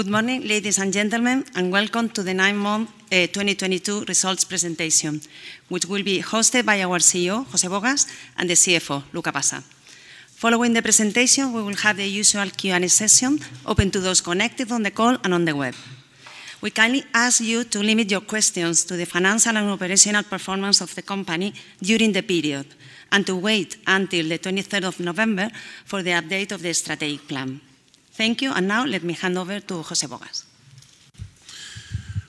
Good morning, ladies and gentlemen, welcome to the nine-month 2022 results presentation, which will be hosted by our CEO, José Bogas, and the CFO, Luca Passa. Following the presentation, we will have the usual Q&A session open to those connected on the call and on the web. We kindly ask you to limit your questions to the financial and operational performance of the company during the period, and to wait until the 23rd of November for the update of the strategic plan. Thank you. Now let me hand over to José Bogas.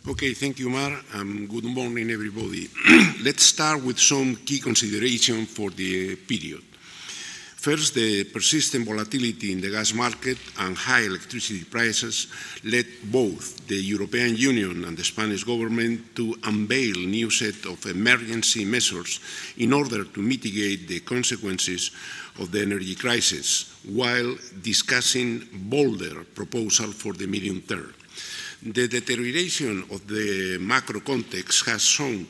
Okay. Thank you, Mar. Good morning, everybody. Let's start with some key consideration for the period. First, the persistent volatility in the gas market and high electricity prices led both the European Union and the Spanish government to unveil new set of emergency measures in order to mitigate the consequences of the energy crisis, while discussing bolder proposal for the medium term. The deterioration of the macro context has shown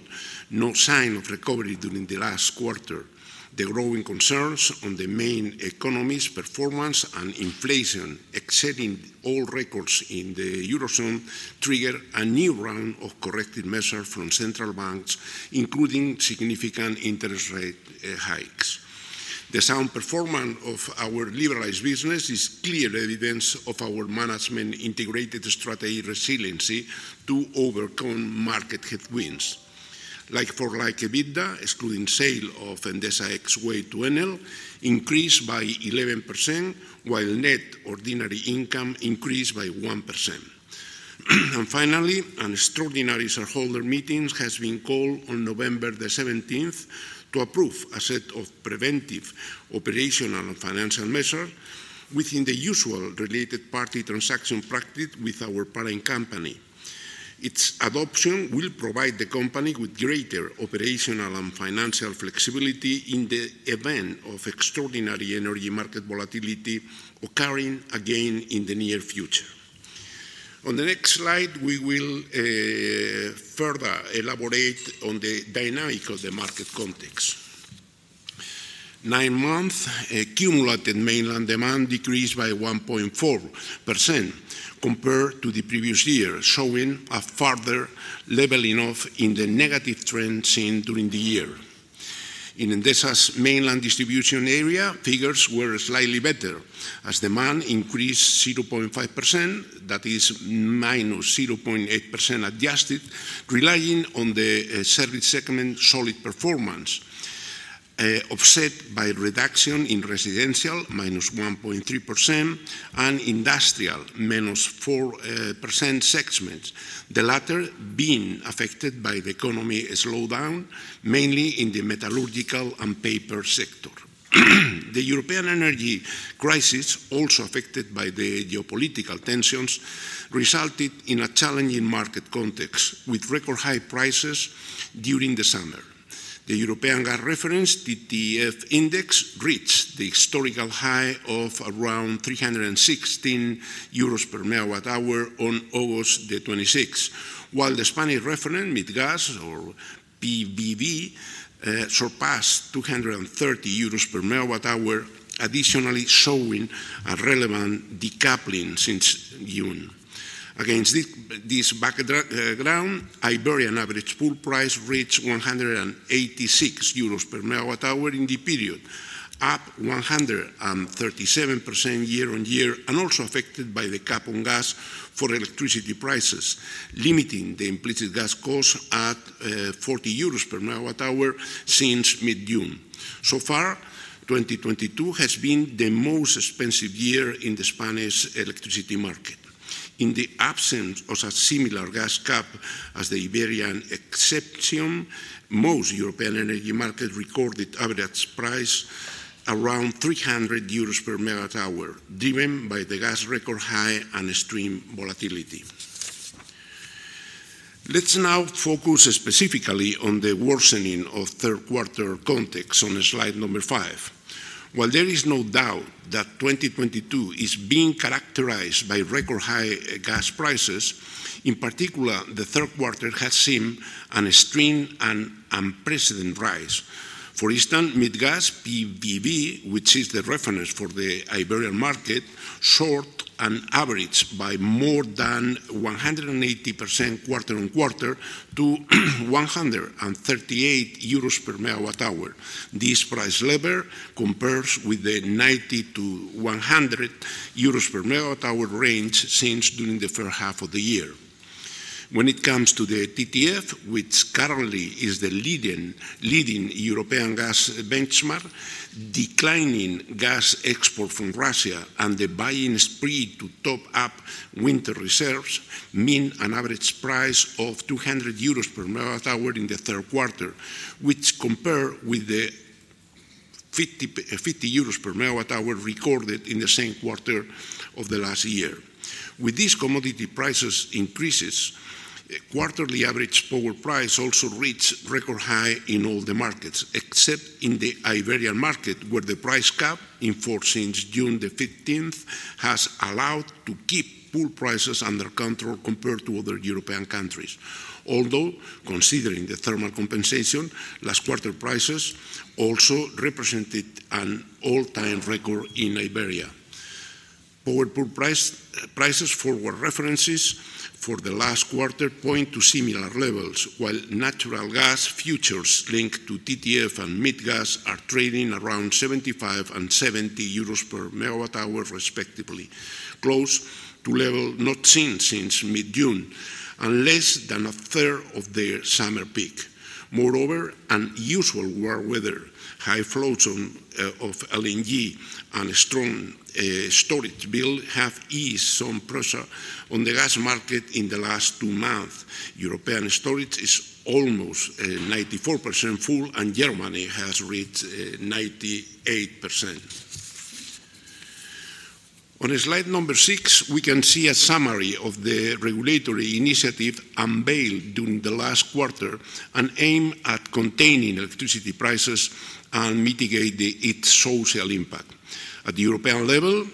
no sign of recovery during the last quarter. The growing concerns on the main economies' performance and inflation exceeding all records in the Eurozone triggered a new round of corrective measure from central banks, including significant interest rate hikes. The sound performance of our liberalized business is clear evidence of our management-integrated strategy resiliency to overcome market headwinds. Like-for-like EBITDA, excluding sale of Endesa X Way to Enel, increased by 11%, while net ordinary income increased by 1%. Finally, an extraordinary shareholder meeting has been called on November the 17th to approve a set of preventive operational and financial measure within the usual related party transaction practice with our parent company. Its adoption will provide the company with greater operational and financial flexibility in the event of extraordinary energy market volatility occurring again in the near future. On the next slide, we will further elaborate on the dynamic of the market context. Nine-month cumulative mainland demand decreased by 1.4% compared to the previous year, showing a further leveling off in the negative trend seen during the year. In Endesa's mainland distribution area, figures were slightly better, as demand increased 0.5%, that is, -0.8% adjusted, relying on the service segment solid performance, offset by reduction in residential, -1.3%, and industrial, -4% segments. The latter being affected by the economy slowdown, mainly in the metallurgical and paper sector. The European energy crisis, also affected by the geopolitical tensions, resulted in a challenging market context, with record high prices during the summer. The European gas reference, the TTF index, reached the historical high of around 316 euros per MWh on August the 26th, while the Spanish reference, MIBGAS or PVB, surpassed 230 euros per MWh, additionally showing a relevant decoupling since June. Against this background, Iberian average full price reached 186 euros per MWh in the period, up 137% year-on-year, and also affected by the cap on gas for electricity prices, limiting the implicit gas cost at 40 euros per MWh since mid-June. So far, 2022 has been the most expensive year in the Spanish electricity market. In the absence of a similar gas cap as the Iberian exception, most European energy markets recorded average price around 300 euros per MWh, driven by the gas record high and extreme volatility. Let's now focus specifically on the worsening of third quarter context on slide number five. While there is no doubt that 2022 is being characterized by record high gas prices, in particular, the third quarter has seen an extreme and unprecedented rise. For instance, MIBGAS PVB, which is the reference for the Iberian market, soared an average by more than 180% quarter on quarter to 138 euros per MWh. This price level compares with the 90 to 100 euros per MWh range seen during the first half of the year. When it comes to the TTF, which currently is the leading European gas benchmark, declining gas export from Russia and the buying spree to top up winter reserves mean an average price of 200 euros per MWh in the third quarter, which compare with the EUR 50 per MWh recorded in the same quarter of the last year. With these commodity prices increases, quarterly average power price also reached record high in all the markets, except in the Iberian market, where the price cap, in force since June the 15th, has allowed to keep pool prices under control compared to other European countries. Although, considering the thermal compensation, last quarter prices also represented an all-time record in Iberia. Power pool prices forward references for the last quarter point to similar levels, while natural gas futures linked to TTF and MIBGAS are trading around 75 and 70 euros per MWh respectively, close to level not seen since mid-June, and less than a third of their summer peak. Moreover, unusual warm weather, high flows of LNG, and strong storage build have eased some pressure on the gas market in the last two months. European storage is almost 94% full, and Germany has reached 98%. On slide number six, we can see a summary of the regulatory initiative unveiled during the last quarter and aimed at containing electricity prices and mitigating its social impact. At the European level,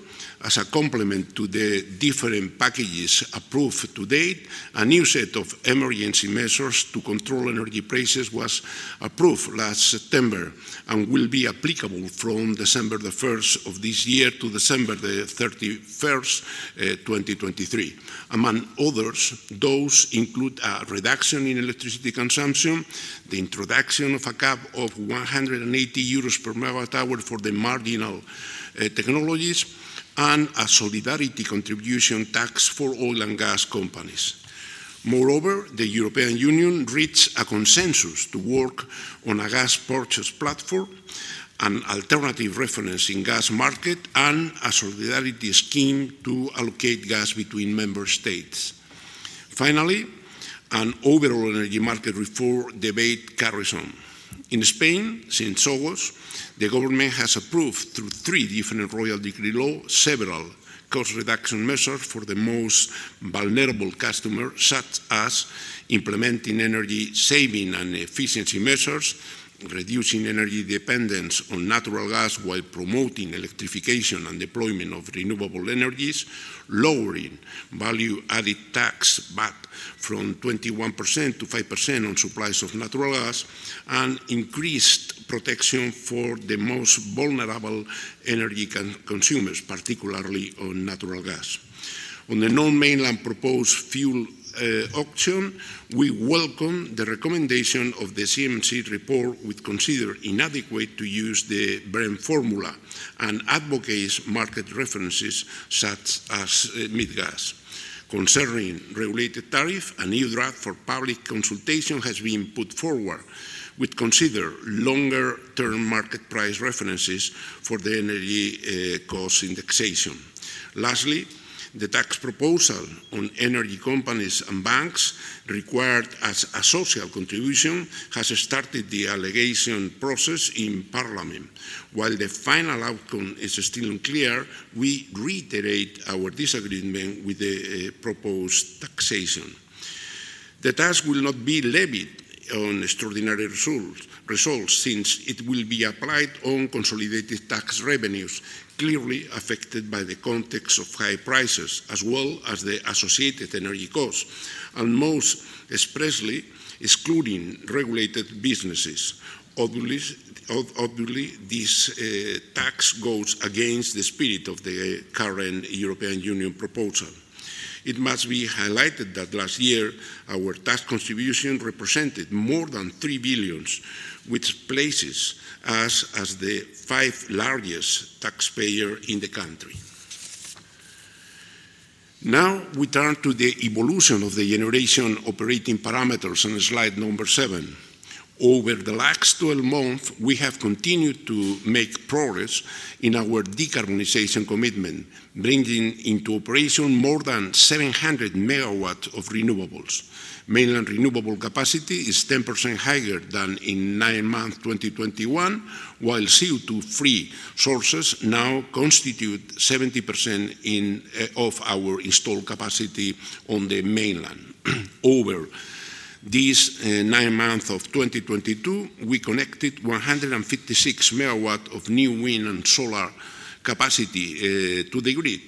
as a complement to the different packages approved to date, a new set of emergency measures to control energy prices was approved last September and will be applicable from December the 1st of this year to December the 31st, 2023. Among others, those include a reduction in electricity consumption, the introduction of a cap of 180 euros per MWh for the marginal technologies, and a solidarity contribution tax for oil and gas companies. Moreover, the European Union reached a consensus to work on a gas purchase platform, an alternative reference in gas market, and a solidarity scheme to allocate gas between member states. Finally, an overall energy market reform debate carries on. In Spain, since August, the government has approved, through three different Royal Decree-Law, several cost reduction measures for the most vulnerable customers, such as implementing energy saving and efficiency measures, reducing energy dependence on natural gas while promoting electrification and deployment of renewable energies, lowering value-added tax back from 21% to 5% on supplies of natural gas, and increased protection for the most vulnerable energy consumers, particularly on natural gas. On the non-mainland proposed fuel auction, we welcome the recommendation of the CNMC report, which consider inadequate to use the Brent formula, and advocates market references such as MIBGAS. Concerning regulated tariff, a new draft for public consultation has been put forward, which consider longer-term market price references for the energy cost indexation. Lastly, the tax proposal on energy companies and banks required as a social contribution has started the allegation process in parliament. While the final outcome is still unclear, we reiterate our disagreement with the proposed taxation. The tax will not be levied on extraordinary results since it will be applied on consolidated tax revenues, clearly affected by the context of high prices as well as the associated energy costs, and most expressly excluding regulated businesses. Obviously, this tax goes against the spirit of the current European Union proposal. It must be highlighted that last year, our tax contribution represented more than 3 billion, which places us as the fifth-largest taxpayer in the country. Now we turn to the evolution of the generation operating parameters on slide number seven. Over the last 12 months, we have continued to make progress in our decarbonization commitment, bringing into operation more than 700 megawatts of renewables. Mainland renewable capacity is 10% higher than in nine months 2021, while CO2-free sources now constitute 70% of our installed capacity on the mainland. Over this nine months of 2022, we connected 156 megawatts of new wind and solar capacity to the grid.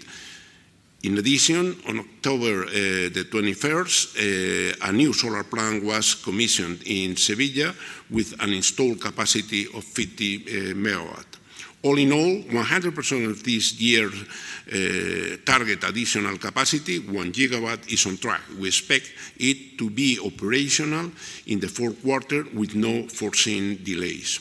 In addition, on October the 21st, a new solar plant was commissioned in Seville with an installed capacity of 50 megawatts. All in all, 100% of this year's target additional capacity, one gigawatt, is on track. We expect it to be operational in the fourth quarter with no foreseen delays.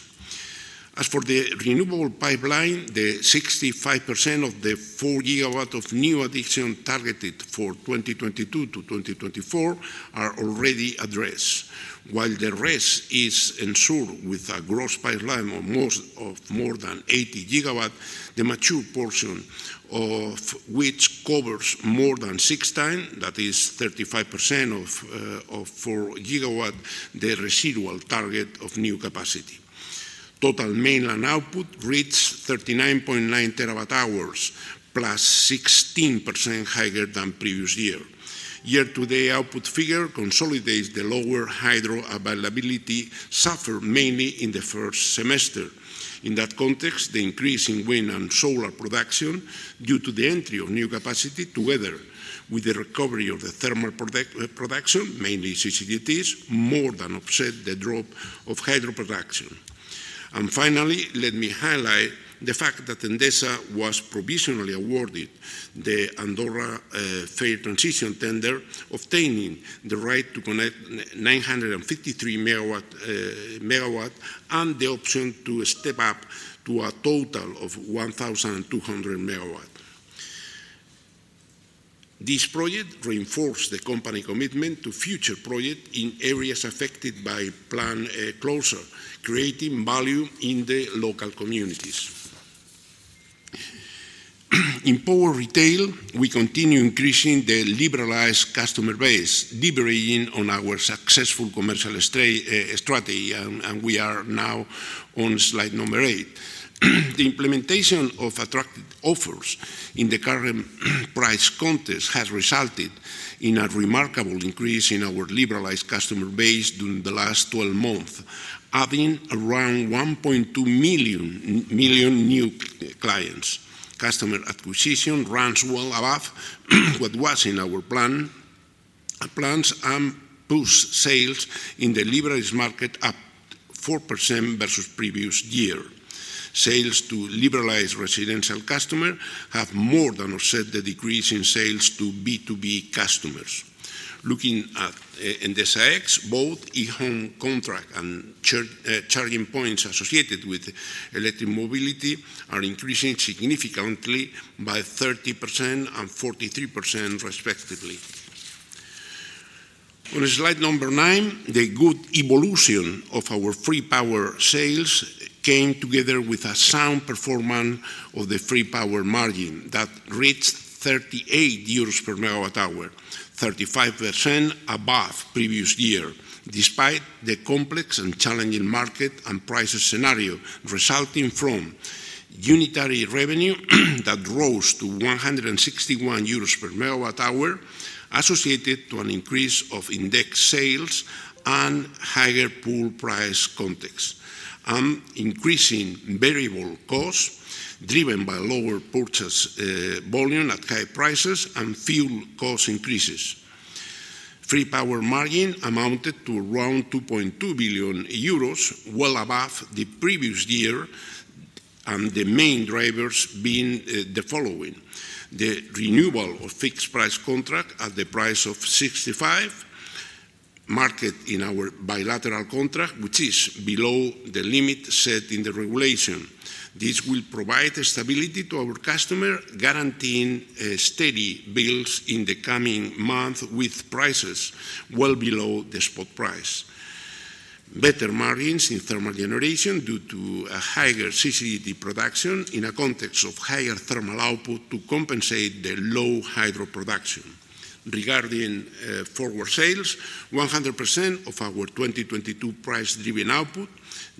As for the renewable pipeline, the 65% of the four gigawatts of new addition targeted for 2022 to 2024 are already addressed. While the rest is ensured with a gross pipeline of more than 80 gigawatts, the mature portion of which covers more than 16, that is 35% of four gigawatt, the residual target of new capacity. Total mainland output reached 39.9 TWh, +16% higher than previous year. Year-to-date output figure consolidates the lower hydro availability suffered mainly in the first semester. In that context, the increase in wind and solar production due to the entry of new capacity, together with the recovery of the thermal production, mainly CCGTs, more than offset the drop of hydro production. Finally, let me highlight the fact that Endesa was provisionally awarded the Andorra fair transition tender, obtaining the right to connect 953 megawatts and the option to step up to a total of 1,200 megawatts. This project reinforced the company commitment to future projects in areas affected by plant closure, creating value in the local communities. In power retail, we continue increasing the liberalized customer base, delivering on our successful commercial strategy, and we are now on slide number eight. The implementation of attractive offers in the current price context has resulted in a remarkable increase in our liberalized customer base during the last 12 months, adding around 1.2 million new clients. Customer acquisition runs well above what was in our plans and pushed sales in the liberalized market up 4% versus previous year. Sales to liberalized residential customer have more than offset the decrease in sales to B2B customers. Looking at Endesa X, both e-home contract and charging points associated with electric mobility are increasing significantly by 30% and 43% respectively. On slide number nine, the good evolution of our free power sales came together with a sound performance of the free power margin that reached 38 euros per MWh, 35% above previous year, despite the complex and challenging market and price scenario resulting from unitary revenue that rose to 161 euros per MWh, associated to an increase of index sales and higher pool price context, and increasing variable costs driven by lower purchase volume at high prices and fuel cost increases. Free power margin amounted to around 2.2 billion euros, well above the previous year, and the main drivers being the following. The renewal of fixed price contract at the price of 65, market in our bilateral contract, which is below the limit set in the regulation. This will provide stability to our customer, guaranteeing steady bills in the coming month, with prices well below the spot price. Better margins in thermal generation due to a higher CCGT production in a context of higher thermal output to compensate the low hydro production. Regarding forward sales, 100% of our 2022 price-driven output,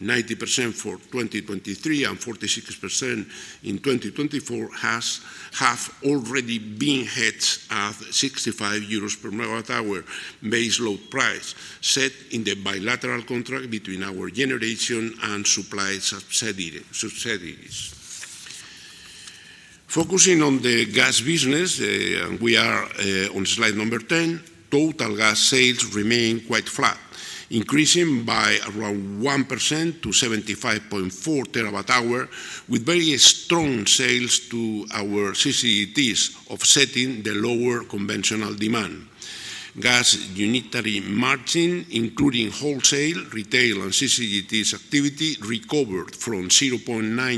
90% for 2023, and 46% in 2024 have already been hedged at 65 euros per MWh base load price set in the bilateral contract between our generation and supply subsidiaries. Focusing on the gas business, we are on slide number 10. Total gas sales remain quite flat, increasing by around 1% to 75.4 TWh, with very strong sales to our CCGTs offsetting the lower conventional demand. Gas unitary margin, including wholesale, retail, and CCGT activity, recovered from 0.9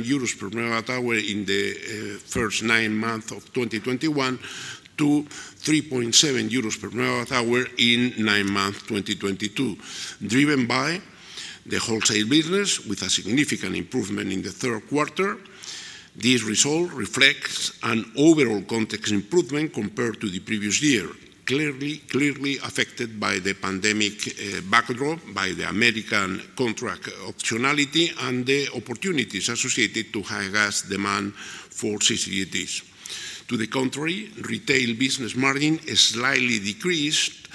euros per MWh in the first nine months of 2021 to 3.7 euros per MWh in nine months 2022, driven by the wholesale business, with a significant improvement in the third quarter. This result reflects an overall context improvement compared to the previous year, clearly affected by the pandemic backdrop, by the American contract optionality, and the opportunities associated to high gas demand for CCGTs. To the contrary, retail business margin is slightly decreased,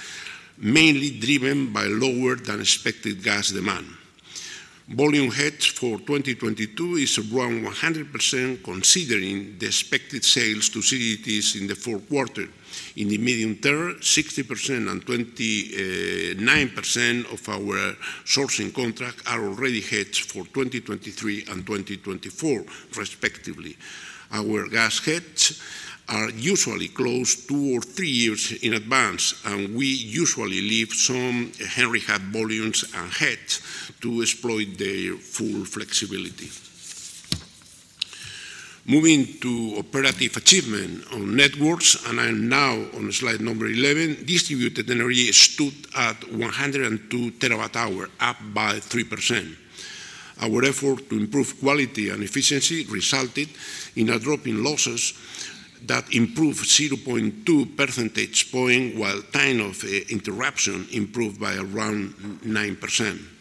mainly driven by lower than expected gas demand. Volume hedge for 2022 is around 100% considering the expected sales to CCGTs in the fourth quarter. In the medium term, 60% and 29% of our sourcing contract are already hedged for 2023 and 2024 respectively. Our gas hedges are usually closed two or three years in advance, and we usually leave some Henry Hub volumes unhedged to exploit their full flexibility. Moving to operating achievement on networks, and I'm now on slide number 11. Distributed energy stood at 102 TWh, up by 3%. Our effort to improve quality and efficiency resulted in a drop in losses that improved 0.2 percentage point, while time of interruption improved by around 9%.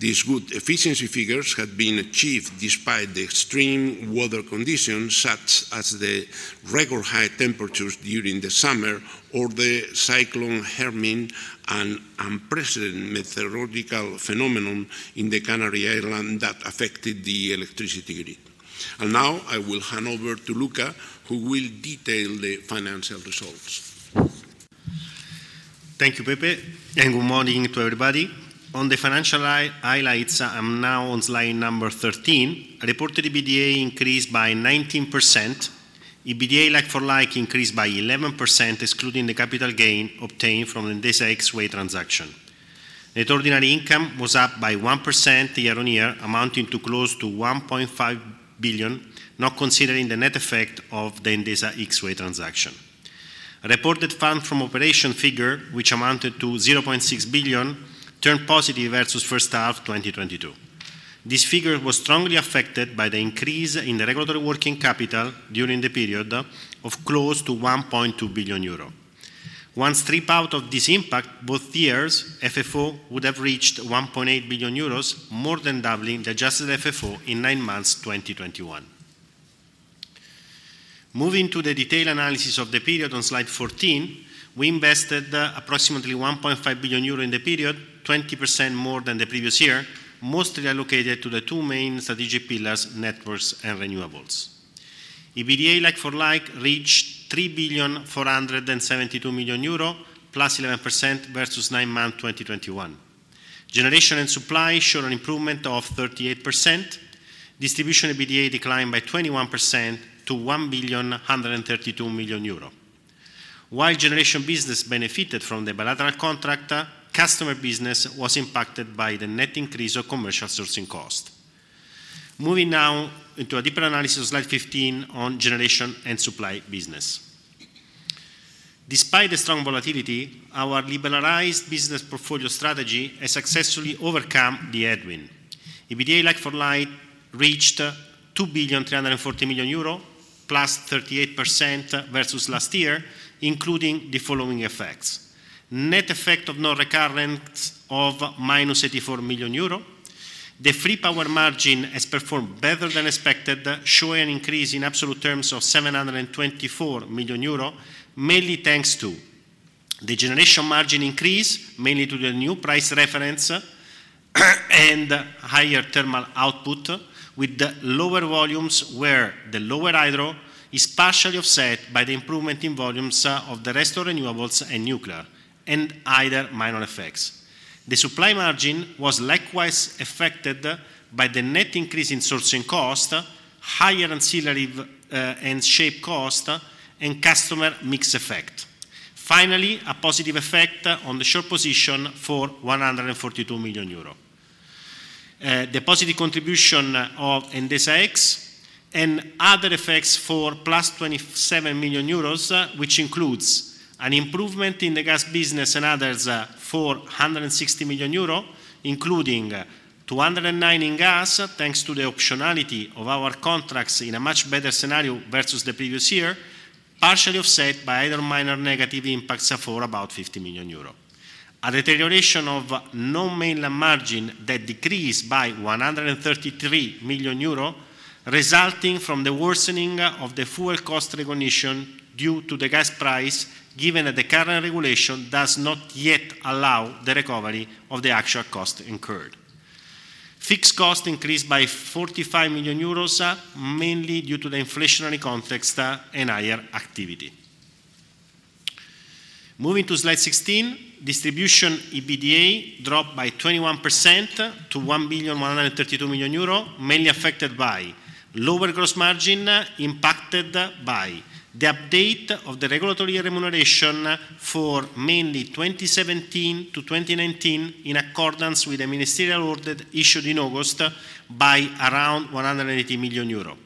These good efficiency figures have been achieved despite the extreme weather conditions, such as the record high temperatures during the summer or the Tropical Storm Hermine, an unprecedented meteorological phenomenon in the Canary Islands that affected the electricity grid. Now I will hand over to Luca, who will detail the financial results. Thank you, Pepe, and good morning to everybody. On the financial highlights, I am now on slide number 13. Reported EBITDA increased by 19%. EBITDA like-for-like increased by 11%, excluding the capital gain obtained from Endesa X Way transaction. Net ordinary income was up by 1% year-on-year, amounting to close to 1.5 billion, not considering the net effect of the Endesa X Way transaction. Reported fund from operation figure, which amounted to 0.6 billion, turned positive versus first half 2022. This figure was strongly affected by the increase in the regulatory working capital during the period of close to 1.2 billion euro. Once stripped out of this impact, both years, FFO would have reached 1.8 billion euros, more than doubling the adjusted FFO in nine months 2021. Moving to the detailed analysis of the period on slide 14, we invested approximately 1.5 billion euro in the period, 20% more than the previous year, mostly allocated to the two main strategic pillars, networks and renewables. EBITDA like-for-like reached 3,472 million euro, +11% versus nine month 2021. Generation and supply showed an improvement of 38%. Distribution EBITDA declined by 21% to 1,132 million euro. While generation business benefited from the bilateral contract, customer business was impacted by the net increase of commercial sourcing cost. Moving now into a deeper analysis, slide 15, on generation and supply business. Despite the strong volatility, our liberalized business portfolio strategy has successfully overcome the headwind. EBITDA like-for-like reached 2,340 million euro, +38% versus last year, including the following effects. Net effect of non-recurrent of -84 million euro. The free power margin has performed better than expected, showing an increase in absolute terms of 724 million euro, mainly thanks to the generation margin increase, mainly to the new price reference and higher thermal output, with the lower volumes where the lower hydro is partially offset by the improvement in volumes of the rest of renewables and nuclear, and other minor effects. The supply margin was likewise affected by the net increase in sourcing cost, higher ancillary and shape cost, and customer mix effect. Finally, a positive effect on the short position for 142 million euro. The positive contribution of Endesa X and other effects for +27 million euros, which includes: an improvement in the gas business and others for 160 million euro, including 209 in gas, thanks to the optionality of our contracts in a much better scenario versus the previous year, partially offset by other minor negative impacts of about 50 million euro. A deterioration of non-mainland margin that decreased by 133 million euro, resulting from the worsening of the fuel cost recognition due to the gas price, given that the current regulation does not yet allow the recovery of the actual cost incurred. Fixed cost increased by 45 million euros, mainly due to the inflationary context and higher activity. Moving to slide 16, distribution EBITDA dropped by 21% to 1.132 billion euro, mainly affected by lower gross margin impacted by the update of the regulatory remuneration for mainly 2017 to 2019, in accordance with the Ministerial Order issued in August by around 180 million euro.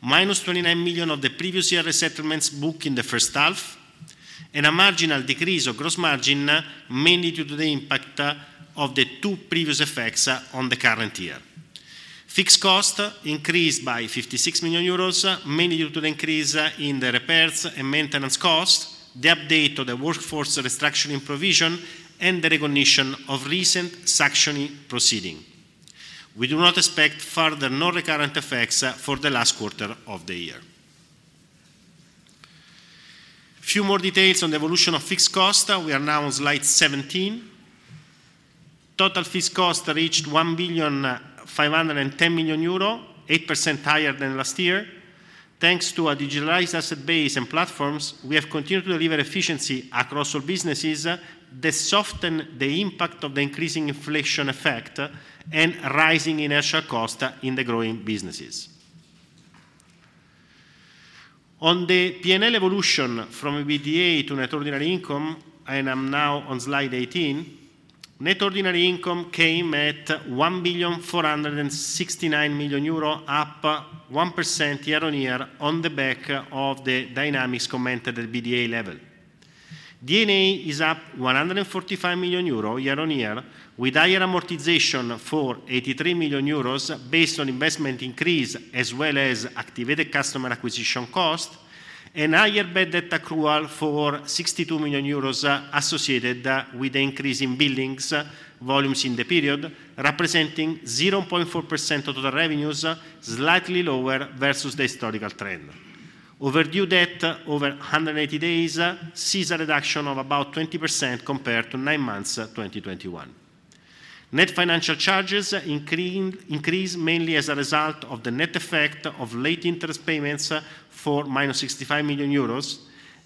Minus 29 million of the previous year resettlements booked in the first half, and a marginal decrease of gross margin, mainly due to the impact of the two previous effects on the current year. Fixed cost increased by 56 million euros, mainly due to the increase in the repairs and maintenance cost, the update of the workforce restructuring provision, and the recognition of recent sanctioning proceeding. We do not expect further non-recurrent effects for the last quarter of the year. Few more details on the evolution of fixed cost. We are now on slide 17. Total fixed cost reached 1.510 billion, 8% higher than last year. Thanks to our digitalized asset base and platforms, we have continued to deliver efficiency across all businesses that soften the impact of the increasing inflation effect and rising inertial cost in the growing businesses. On the P&L evolution from EBITDA to net ordinary income, and I am now on slide 18, net ordinary income came at 1.469 billion, up 1% year-on-year on the back of the dynamics commented at EBITDA level. D&A is up 145 million euro year-on-year, with higher amortization for 83 million euros based on investment increase, as well as activated customer acquisition cost, and higher bad debt accrual for 62 million euros associated with the increase in billings volumes in the period, representing 0.4% of total revenues, slightly lower versus the historical trend. Overdue debt over 180 days sees a reduction of about 20% compared to nine months 2021. Net financial charges increased mainly as a result of the net effect of late interest payments for minus 65 million euros,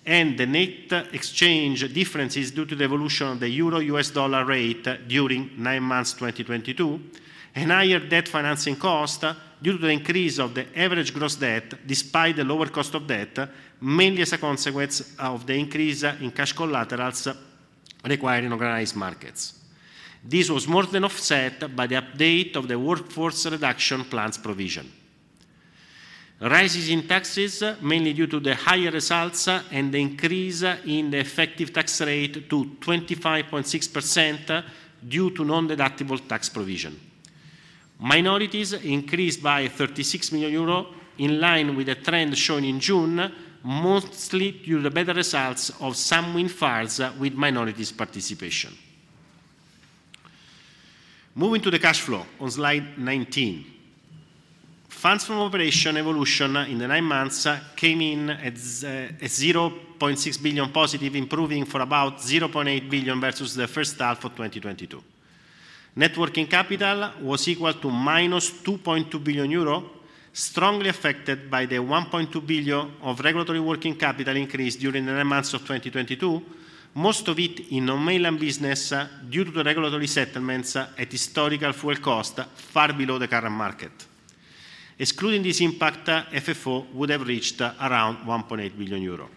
and the net exchange differences due to the evolution of the euro-USD rate during nine months 2022, and higher debt financing cost due to the increase of the average gross debt despite the lower cost of debt, mainly as a consequence of the increase in cash collaterals required in organized markets. This was more than offset by the update of the workforce reduction plans provision. Rises in taxes, mainly due to the higher results and the increase in the effective tax rate to 25.6% due to non-deductible tax provision. Minorities increased by 36 million euros, in line with the trend shown in June, mostly due to better results of some wind farms with minorities participation. Moving to the cash flow on slide 19. Funds from operation evolution in the nine months came in at 0.6 billion positive, improving for about 0.8 billion versus the first half of 2022. Net working capital was equal to minus 2.2 billion euro, strongly affected by the 1.2 billion of regulatory working capital increase during the nine months of 2022, most of it in mainland business due to the regulatory settlements at historical fuel cost, far below the current market. Excluding this impact, FFO would have reached around 1.8 billion euro.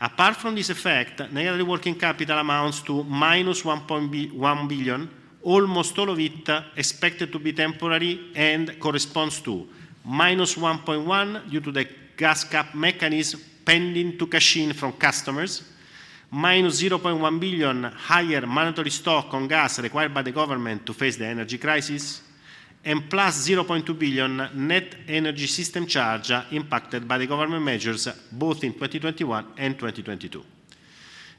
Apart from this effect, net working capital amounts to minus 1.1 billion, almost all of it expected to be temporary and corresponds to minus 1.1 due to the gas cap mechanism pending to cash in from customers, minus 0.1 billion higher mandatory stock on gas required by the government to face the energy crisis, and plus 0.2 billion net energy system charge impacted by the government measures both in 2021 and 2022.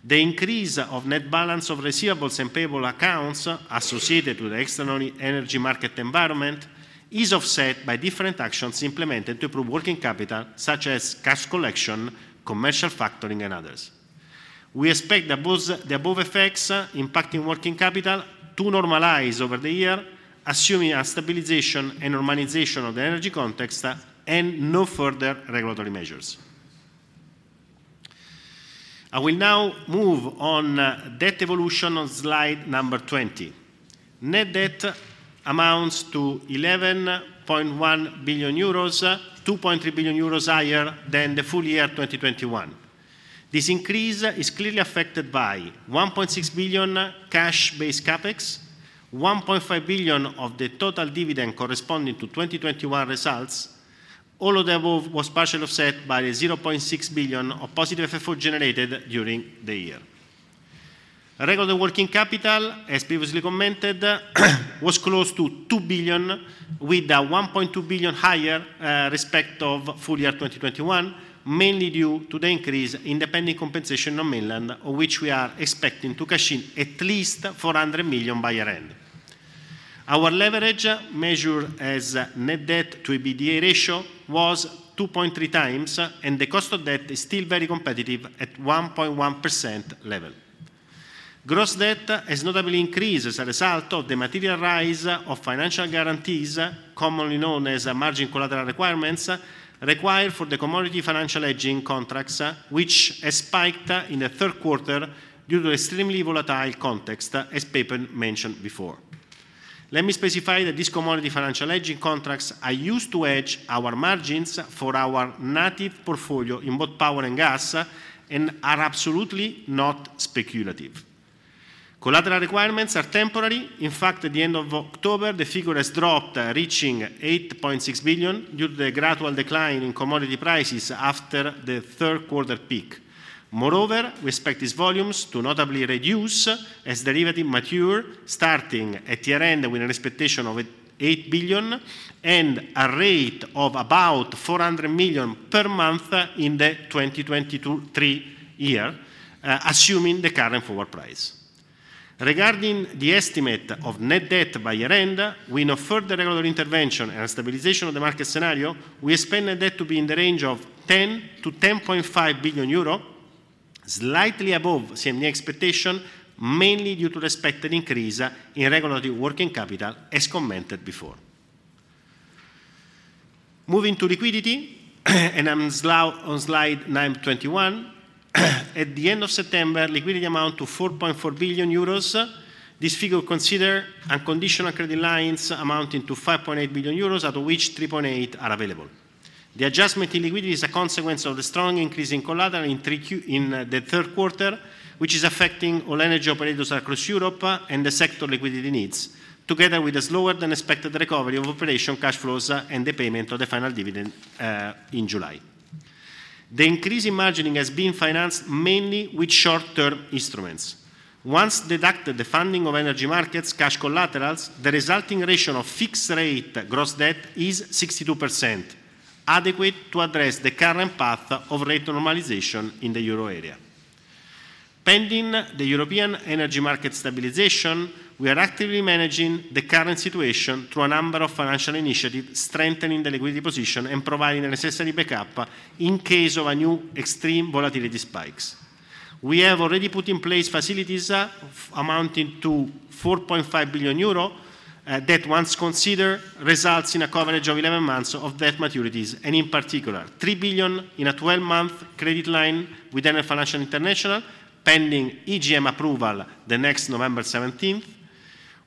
The increase of net balance of receivables and payable accounts associated with the external energy market environment is offset by different actions implemented to improve working capital, such as cash collection, commercial factoring, and others. We expect the above effects impacting working capital to normalize over the year, assuming a stabilization and normalization of the energy context and no further regulatory measures. I will now move on debt evolution on slide number 20. Net debt amounts to 11.1 billion euros, 2.3 billion euros higher than the full year 2021. This increase is clearly affected by 1.6 billion cash-based CapEx, 1.5 billion of the total dividend corresponding to 2021 results. All of the above was partially offset by the 0.6 billion of positive FFO generated during the year. Regular working capital, as previously commented, was close to 2 billion with a 1.2 billion higher respect of full year 2021, mainly due to the increase in the pending compensation on mainland, of which we are expecting to cash in at least 400 million by year-end. Our leverage measure as net debt to EBITDA ratio was 2.3 times, and the cost of debt is still very competitive at 1.1% level. Gross debt has notably increased as a result of the material rise of financial guarantees, commonly known as margin collateral requirements, required for the commodity financial hedging contracts, which has spiked in the third quarter due to extremely volatile context, as Pepe mentioned before. Let me specify that these commodity financial hedging contracts are used to hedge our margins for our native portfolio in both power and gas and are absolutely not speculative. Collateral requirements are temporary. In fact, at the end of October, the figure has dropped, reaching 8.6 billion due to the gradual decline in commodity prices after the third quarter peak. Moreover, we expect these volumes to notably reduce as derivative mature, starting at year-end with an expectation of 8 billion and a rate of about 400 million per month in the 2023 year, assuming the current forward price. Regarding the estimate of net debt by year-end, with no further regulatory intervention and a stabilization of the market scenario, we expect net debt to be in the range of 10 billion to 10.5 billion euro, slightly above same year expectation, mainly due to the expected increase in regulatory working capital, as commented before. Moving to liquidity, I am on slide 21. At the end of September, liquidity amount to 4.4 billion euros. This figure consider unconditional credit lines amounting to 5.8 billion euros, out of which 3.8 billion are available. The adjustment in liquidity is a consequence of the strong increase in collateral in the third quarter, which is affecting all energy operators across Europe and the sector liquidity needs, together with a slower than expected recovery of operation cash flows and the payment of the final dividend in July. The increase in margining has been financed mainly with short-term instruments. Once deducted the funding of energy markets cash collaterals, the resulting ratio of fixed rate gross debt is 62%, adequate to address the current path of rate normalization in the Euro area. Pending the European energy market stabilization, we are actively managing the current situation through a number of financial initiatives, strengthening the liquidity position and providing the necessary backup in case of a new extreme volatility spikes. We have already put in place facilities amounting to 4.5 billion euro that, once considered, results in a coverage of 11 months of debt maturities, in particular, 3 billion in a 12-month credit line with Enel Finance International, pending EGM approval the next November 17th,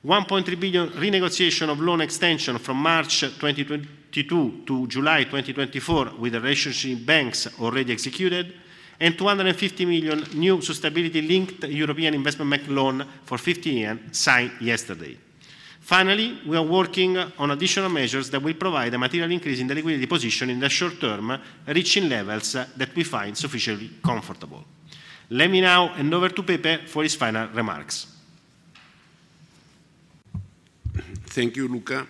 1.3 billion renegotiation of loan extension from March 2022 to July 2024 with the relationship banks already executed, and 250 million new sustainability-linked European Investment Bank loan for 15 years signed yesterday. We are working on additional measures that will provide a material increase in the liquidity position in the short term, reaching levels that we find sufficiently comfortable. Let me now hand over to Pepe for his final remarks. Thank you, Luca.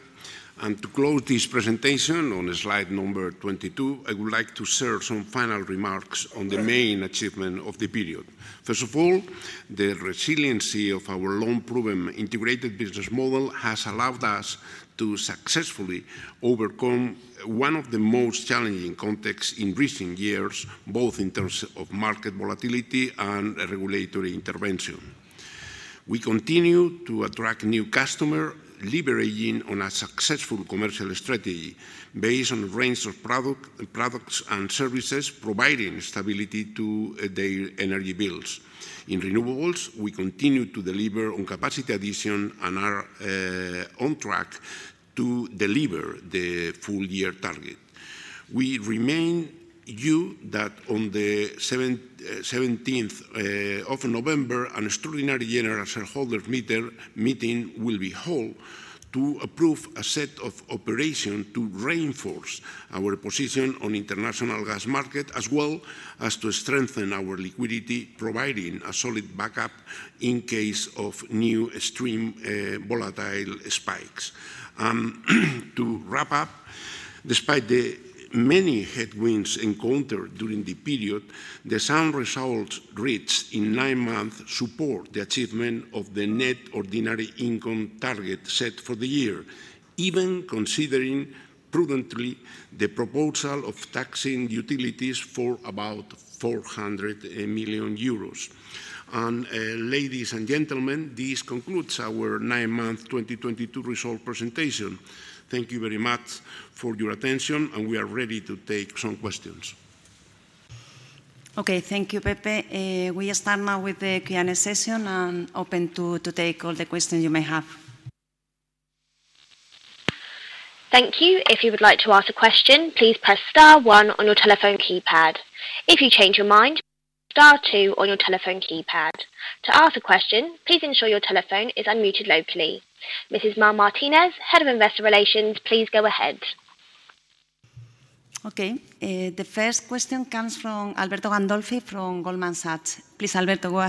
To close this presentation on slide number 22, I would like to share some final remarks on the main achievement of the period. First of all, the resiliency of our long-proven integrated business model has allowed us to successfully overcome one of the most challenging contexts in recent years, both in terms of market volatility and regulatory intervention. We continue to attract new customer, leveraging on a successful commercial strategy based on range of products and services, providing stability to their energy bills. In renewables, we continue to deliver on capacity addition and are on track to deliver the full year target. We remind you that on the 17th of November, an extraordinary general shareholders meeting will be held to approve a set of operation to reinforce our position on international gas market, as well as to strengthen our liquidity, providing a solid backup in case of new extreme volatile spikes. To wrap up, despite the many headwinds encountered during the period, the nine months results reached in nine months support the achievement of the net ordinary income target set for the year. Even considering prudently the proposal of taxing utilities for about 400 million euros. Ladies and gentlemen, this concludes our nine-month 2022 result presentation. Thank you very much for your attention, and we are ready to take some questions. Okay. Thank you, Pepe. We start now with the Q&A session, and open to take all the questions you may have. Thank you. If you would like to ask a question, please press star one on your telephone keypad. If you change your mind, star two on your telephone keypad. To ask a question, please ensure your telephone is unmuted locally. Ms. Mar Martínez, Head of Investor Relations, please go ahead. Okay. The first question comes from Alberto Gandolfi from Goldman Sachs. Please, Alberto, go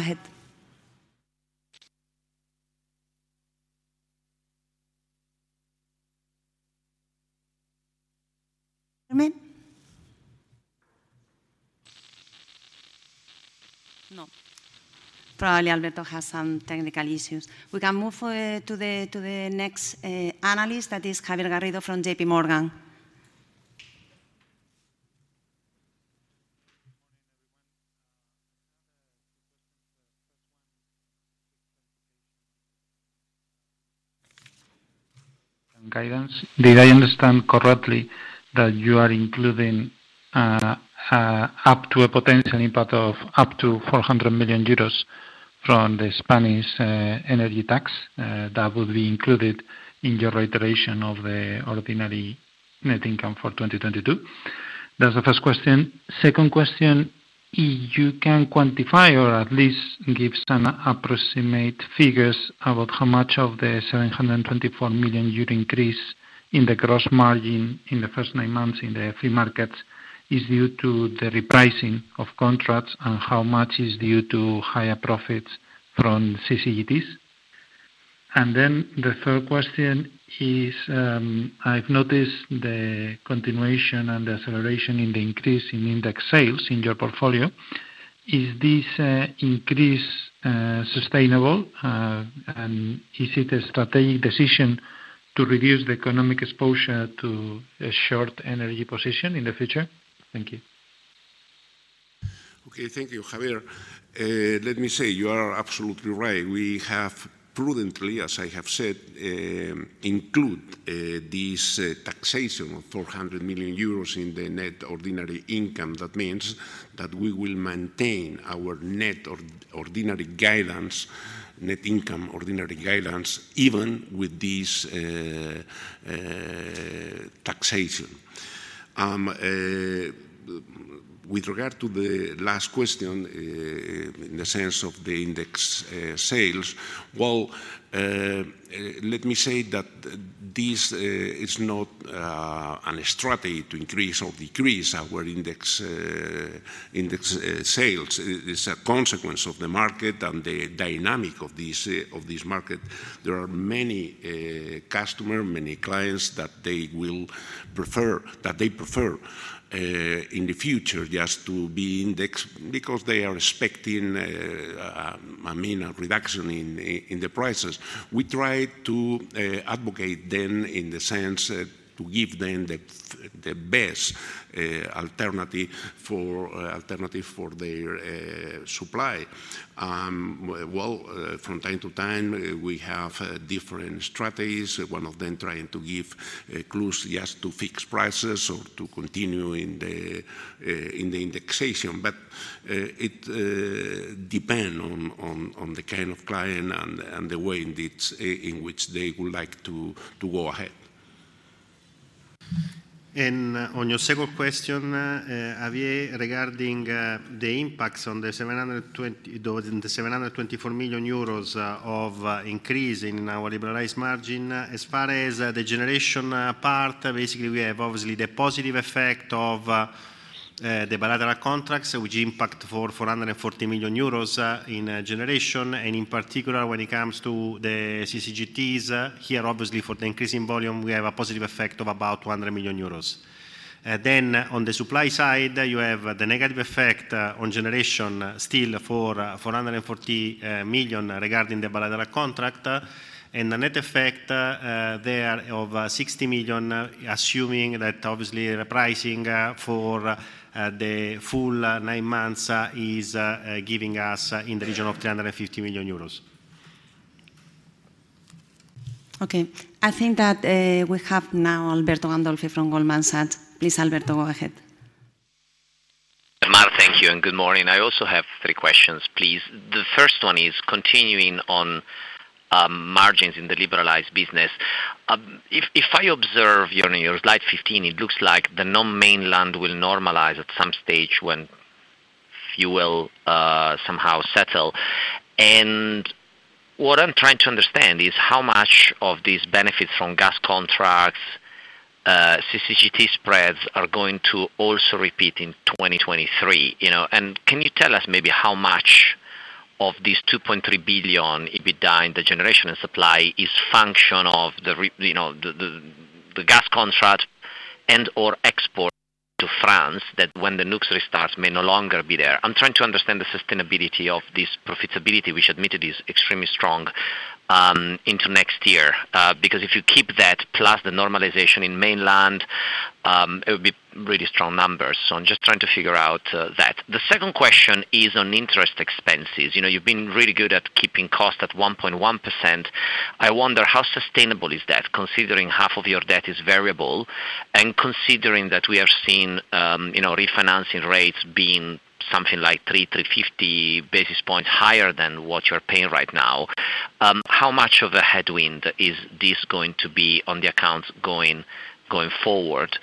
ahead. No. Probably Alberto has some technical issues. We can move to the next analyst, that is Javier Garrido from J.P. Morgan. Good morning, everyone. I have a few questions. First one guidance. Did I understand correctly that you are including up to a potential impact of up to 400 million euros from the Spanish energy tax that would be included in your reiteration of the ordinary net income for 2022? That's the first question. Second question, you can quantify or at least give some approximate figures about how much of the 724 million euro increase in the gross margin in the first nine months in the free markets is due to the repricing of contracts, and how much is due to higher profits from CCGTs? The third question is, I've noticed the continuation and acceleration in the increase in index sales in your portfolio. Is this increase sustainable, and is it a strategic decision to reduce the economic exposure to a short energy position in the future? Thank you. Okay. Thank you, Javier. Let me say, you are absolutely right. We have prudently, as I have said, include this taxation of 400 million euros in the net ordinary income. That means that we will maintain our net ordinary guidance, net income ordinary guidance, even with this taxation. With regard to the last question, in the sense of the index sales, well, let me say that this is not a strategy to increase or decrease our index sales. It's a consequence of the market and the dynamic of this market. There are many customer, many clients that they prefer, in the future, just to be index because they are expecting a minimal reduction in the prices. We try to advocate them in the sense to give them the best alternative for their supply. Well, from time to time, we have different strategies. One of them trying to give clues just to fix prices or to continue in the indexation. It depend on the kind of client and the way in which they would like to go ahead. On your second question, Javier, regarding the impacts on the 724 million euros of increase in our liberalized margin. As far as the generation part, basically, we have obviously the positive effect of The bilateral contracts, which impact for 440 million euros in generation, in particular, when it comes to the CCGTs, here, obviously for the increase in volume, we have a positive effect of about 200 million euros. On the supply side, you have the negative effect on generation still for 440 million regarding the bilateral contract, and the net effect there of 60 million, assuming that obviously repricing for the full nine months is giving us in the region of 350 million euros. Okay. I think that we have now Alberto Gandolfi from Goldman Sachs. Please, Alberto, go ahead. Mar, thank you, and good morning. I also have three questions, please. The first one is continuing on margins in the liberalized business. If I observe on your slide 15, it looks like the non-mainland will normalize at some stage when fuel somehow settle. What I'm trying to understand is how much of these benefits from gas contracts, CCGT spreads are going to also repeat in 2023. Can you tell us maybe how much of these 2.3 billion EBITDA in the generation and supply is function of the gas contract and/or export to France, that when the nukes restart may no longer be there? I'm trying to understand the sustainability of this profitability, which admittedly is extremely strong, into next year. If you keep that plus the normalization in mainland, it would be really strong numbers. I'm just trying to figure out that. The second question is on interest expenses. You've been really good at keeping costs at 1.1%. I wonder how sustainable is that, considering half of your debt is variable and considering that we are seeing refinancing rates being something like 300, 350 basis points higher than what you are paying right now. How much of a headwind is this going to be on the accounts going forward?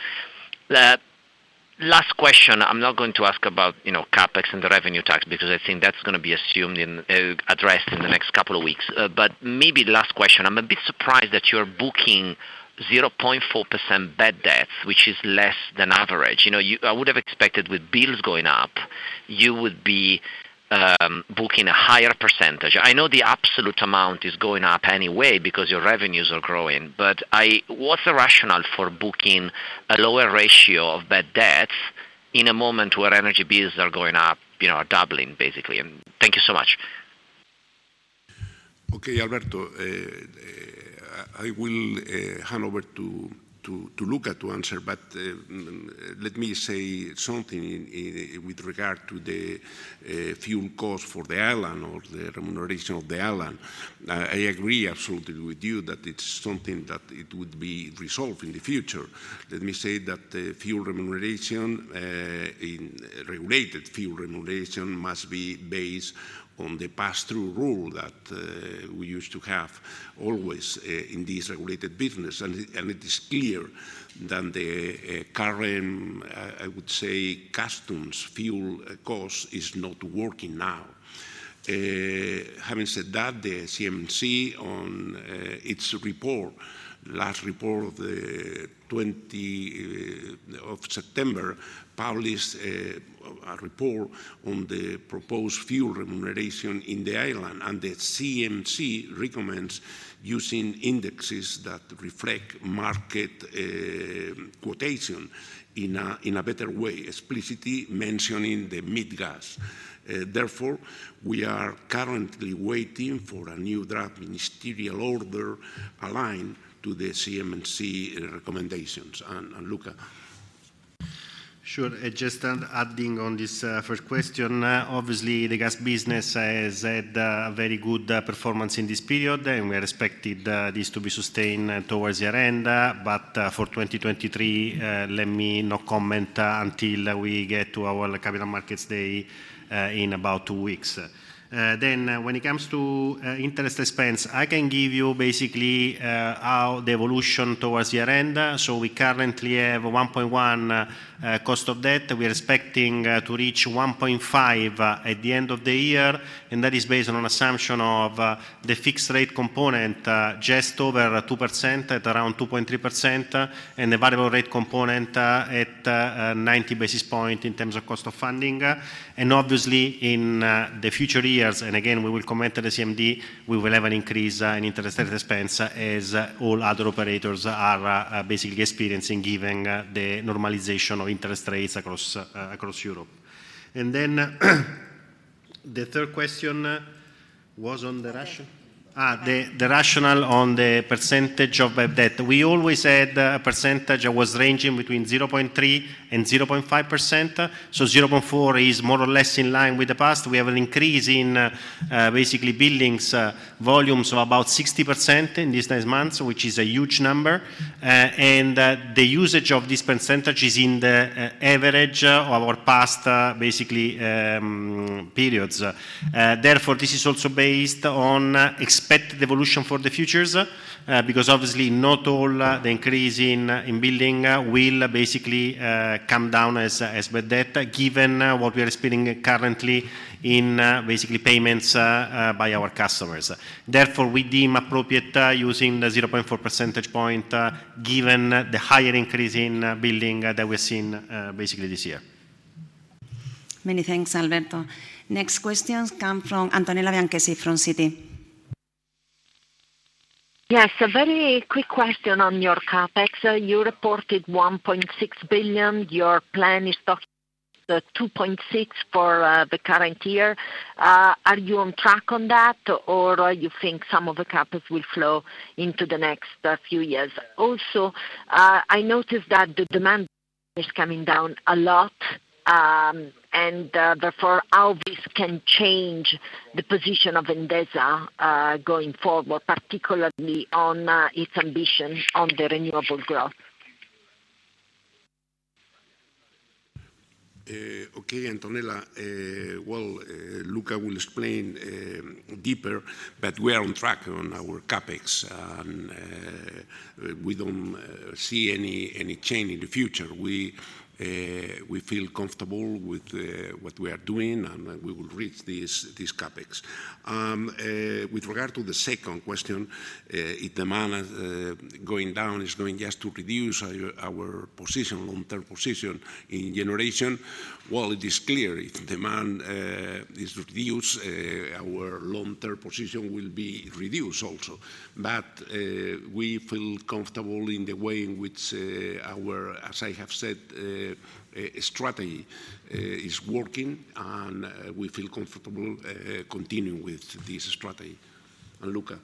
Last question, I'm not going to ask about CapEx and the revenue tax, I think that's going to be addressed in the next couple of weeks. Maybe the last question, I'm a bit surprised that you are booking 0.4% bad debt, which is less than average. I would have expected with bills going up, you would be booking a higher percentage. I know the absolute amount is going up anyway because your revenues are growing. What's the rationale for booking a lower ratio of bad debts in a moment where energy bills are going up, are doubling, basically? Thank you so much. Okay, Alberto, I will hand over to Luca to answer. Let me say something with regard to the fuel cost for the island, or the remuneration of the island. Let me say that the fuel remuneration, in regulated fuel remuneration, must be based on the pass-through rule that we used to have always in this regulated business. It is clear that the current, I would say, customs fuel cost is not working now. Having said that, the CNMC on its report, last report of September, published a report on the proposed fuel remuneration in the island. The CNMC recommends using indexes that reflect market quotation in a better way, explicitly mentioning the MIBGAS. We are currently waiting for a new draft Ministerial Order aligned to the CNMC recommendations. Luca? Sure. Just adding on this first question, obviously the gas business has had a very good performance in this period. We are expecting this to be sustained towards the end. For 2023, let me not comment until we get to our Capital Markets Day in about two weeks. When it comes to interest expense, I can give you basically how the evolution towards the end. We currently have 1.1% cost of debt. We are expecting to reach 1.5% at the end of the year. That is based on an assumption of the fixed rate component just over 2%, at around 2.3%, and the variable rate component at 90 basis points in terms of cost of funding. Obviously, in the future years, again, we will comment at the CMD, we will have an increase in interest expense as all other operators are basically experiencing, given the normalization of interest rates across Europe. The third question was on the rationale? Percentage. The rationale on the percentage of bad debt. We always had a percentage that was ranging between 0.3%-0.5%, so 0.4 is more or less in line with the past. We have an increase in basically billings volumes of about 60% in these last months, which is a huge number. The usage of this percentage is in the average of our past periods. Therefore, this is also based on expected evolution for the future, because obviously not all the increase in billing will basically come down as bad debt, given what we are spending currently in basically payments by our customers. Therefore, we deem appropriate using the 0.4 percentage point given the higher increase in billing that we're seeing basically this year. Many thanks, Alberto. Next questions come from Antonella Bianchessi from Citi. Yes, a very quick question on your CapEx. You reported 1.6 billion. Your plan is talking the 2.6 billion for the current year. Are you on track on that, or you think some of the CapEx will flow into the next few years? I noticed that the demand is coming down a lot, and therefore how this can change the position of Endesa, going forward, particularly on its ambition on the renewable growth. Okay, Antonella. Well, Luca will explain deeper. We are on track on our CapEx, and we don't see any change in the future. We feel comfortable with what we are doing, and we will reach this CapEx. With regard to the second question, if demand going down is going just to reduce our long-term position in generation. Well, it is clear, if demand is reduced, our long-term position will be reduced also. We feel comfortable in the way in which our, as I have said, strategy is working, and we feel comfortable continuing with this strategy. Luca?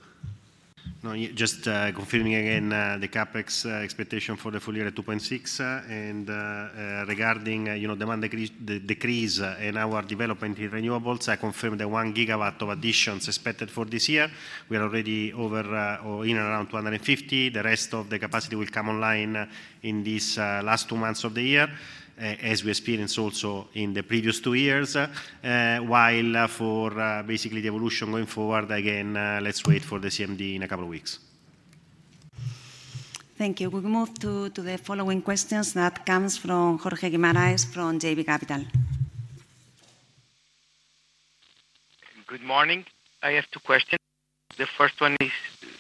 No, just confirming again the CapEx expectation for the full year at 2.6. Regarding the demand decrease in our development in renewables, I confirm the 1 gigawatt of additions expected for this year. We are already over or in and around 250. The rest of the capacity will come online in these last two months of the year, as we experienced also in the previous two years. While for basically the evolution going forward, again, let's wait for the CMD in a couple of weeks. Thank you. We move to the following questions that comes from Jorge Guimarães from JB Capital. Good morning. I have two questions. The first one is,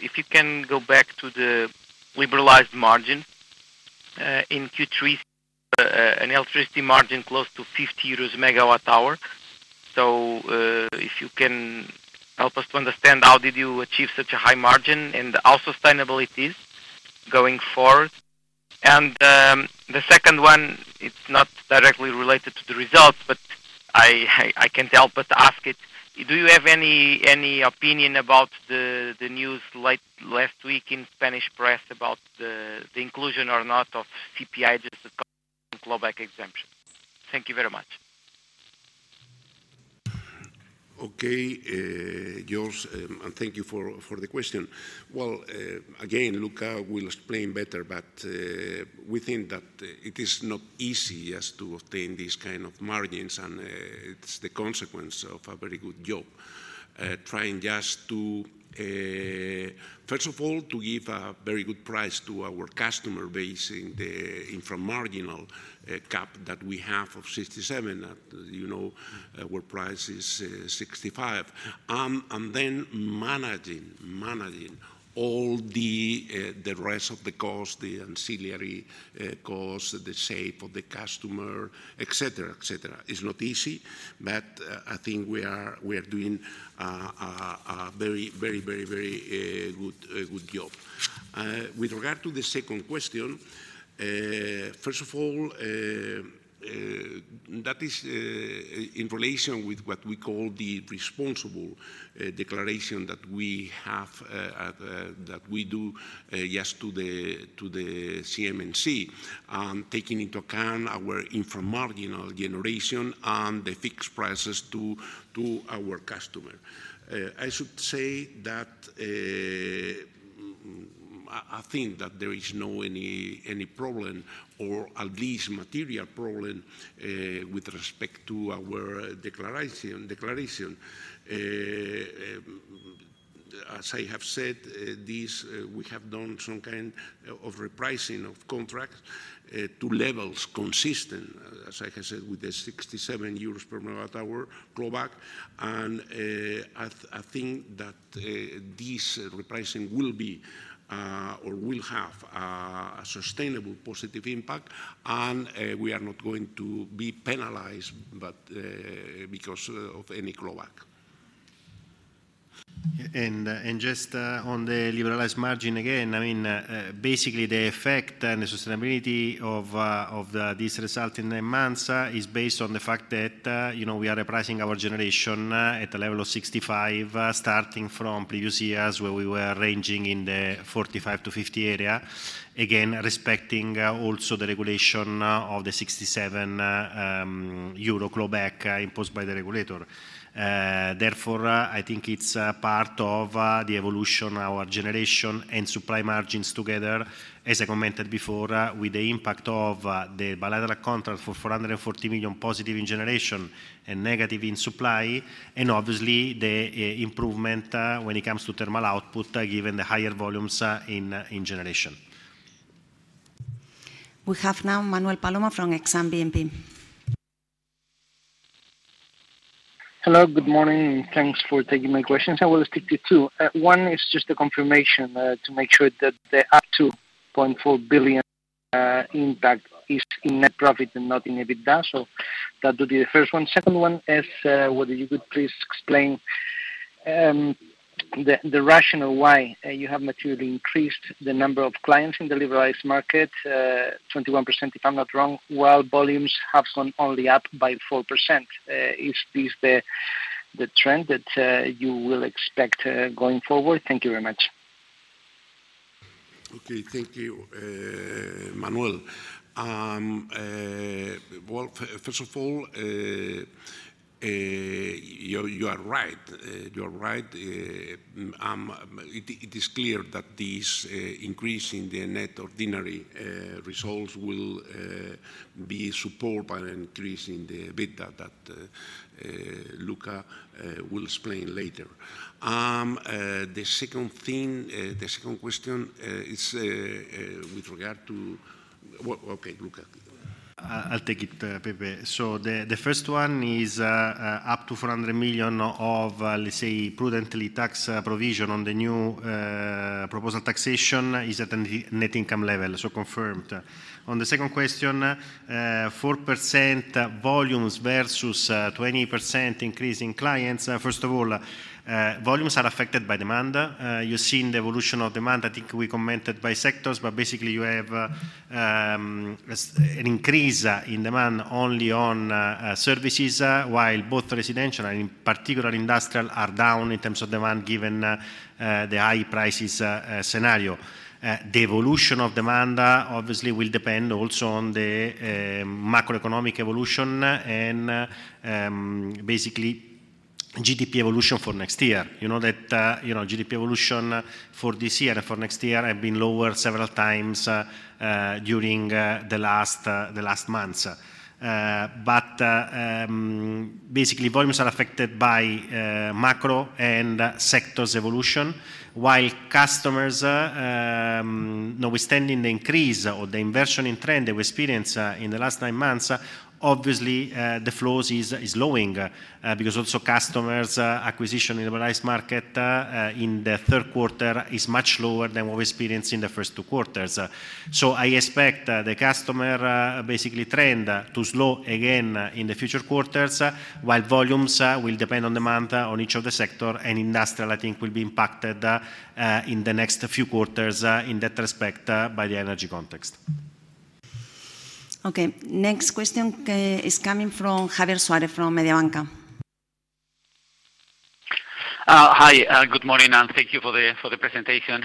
if you can go back to the liberalized margin, in Q3, an electricity margin close to 50 euros a MWh. If you can help us to understand how did you achieve such a high margin, and how sustainable it is going forward? The second one, it's not directly related to the results, but I can't help but ask it. Do you have any opinion about the news last week in Spanish press about the inclusion or not of CPI adjustment clawback exemption? Thank you very much. Okay, Jorge, thank you for the question. Again, Luca will explain better. We think that it is not easy as to obtain this kind of margins. It is the consequence of a very good job, trying just to, first of all, to give a very good price to our customer base in the infra-marginal cap that we have of 67, you know, our price is 65. Managing all the rest of the cost, the ancillary costs, the shape of the customer, et cetera. It is not easy. I think we are doing a very good job. With regard to the second question, first of all, that is in relation with what we call the responsible declaration that we do, yes, to the CNMC, taking into account our infra-marginal generation and the fixed prices to our customer. I should say that I think that there is not any problem, or at least material problem, with respect to our declaration. As I have said, we have done some kind of repricing of contracts to levels consistent, as I have said, with the 67 euros per MWh clawback. I think that this repricing will have a sustainable positive impact. We are not going to be penalized because of any clawback. Just on the liberalized margin again, basically the effect and the sustainability of this result in the months is based on the fact that we are repricing our generation at the level of 65, starting from previous years where we were ranging in the 45 to 50 area. Again, respecting also the regulation of the 67 euro clawback imposed by the regulator. I think it is part of the evolution, our generation and supply margins together, as I commented before, with the impact of the bilateral contract for 440 million positive in generation and negative in supply, obviously the improvement when it comes to thermal output, given the higher volumes in generation. We have now Manuel Palomo from Exane BNP. Hello. Good morning, and thanks for taking my questions. I will stick to two. One is just a confirmation to make sure that the up 2.4 billion impact is in net profit and not in EBITDA. That will be the first one. Second one is, whether you could please explain the rationale why you have materially increased the number of clients in the liberalized market, 21% if I'm not wrong, while volumes have gone only up by 4%? Is this the trend that you will expect going forward? Thank you very much. Okay. Thank you, Manuel. First of all, you are right. It is clear that this increase in the net ordinary results will be supported by an increase in the EBITDA that Luca will explain later. The second question is with regard to Okay, Luca. I'll take it, Pepe. The first one is up to 400 million of, let's say, prudently tax provision on the new proposal taxation is at the net income level, so confirmed. On the second question, 4% volumes versus 20% increase in clients. First of all, volumes are affected by demand. You've seen the evolution of demand. I think we commented by sectors, but basically you have an increase in demand only on services, while both residential and in particular industrial are down in terms of demand, given the high prices scenario. The evolution of demand obviously will depend also on the macroeconomic evolution and basically GDP evolution for next year. You know GDP evolution for this year and for next year have been lowered several times during the last months. Basically, volumes are affected by macro and sectors evolution, while customers, notwithstanding the increase or the inversion in trend that we experience in the last nine months, obviously, the flows is lowing, because also customers acquisition in liberalized market in the third quarter is much lower than what we experienced in the first two quarters. I expect the customer trend to slow again in the future quarters, while volumes will depend on demand on each of the sector, and industrial, I think, will be impacted in the next few quarters in that respect by the energy context. Okay. Next question is coming from Javier Suárez from Mediobanca. Hi, good morning, and thank you for the presentation.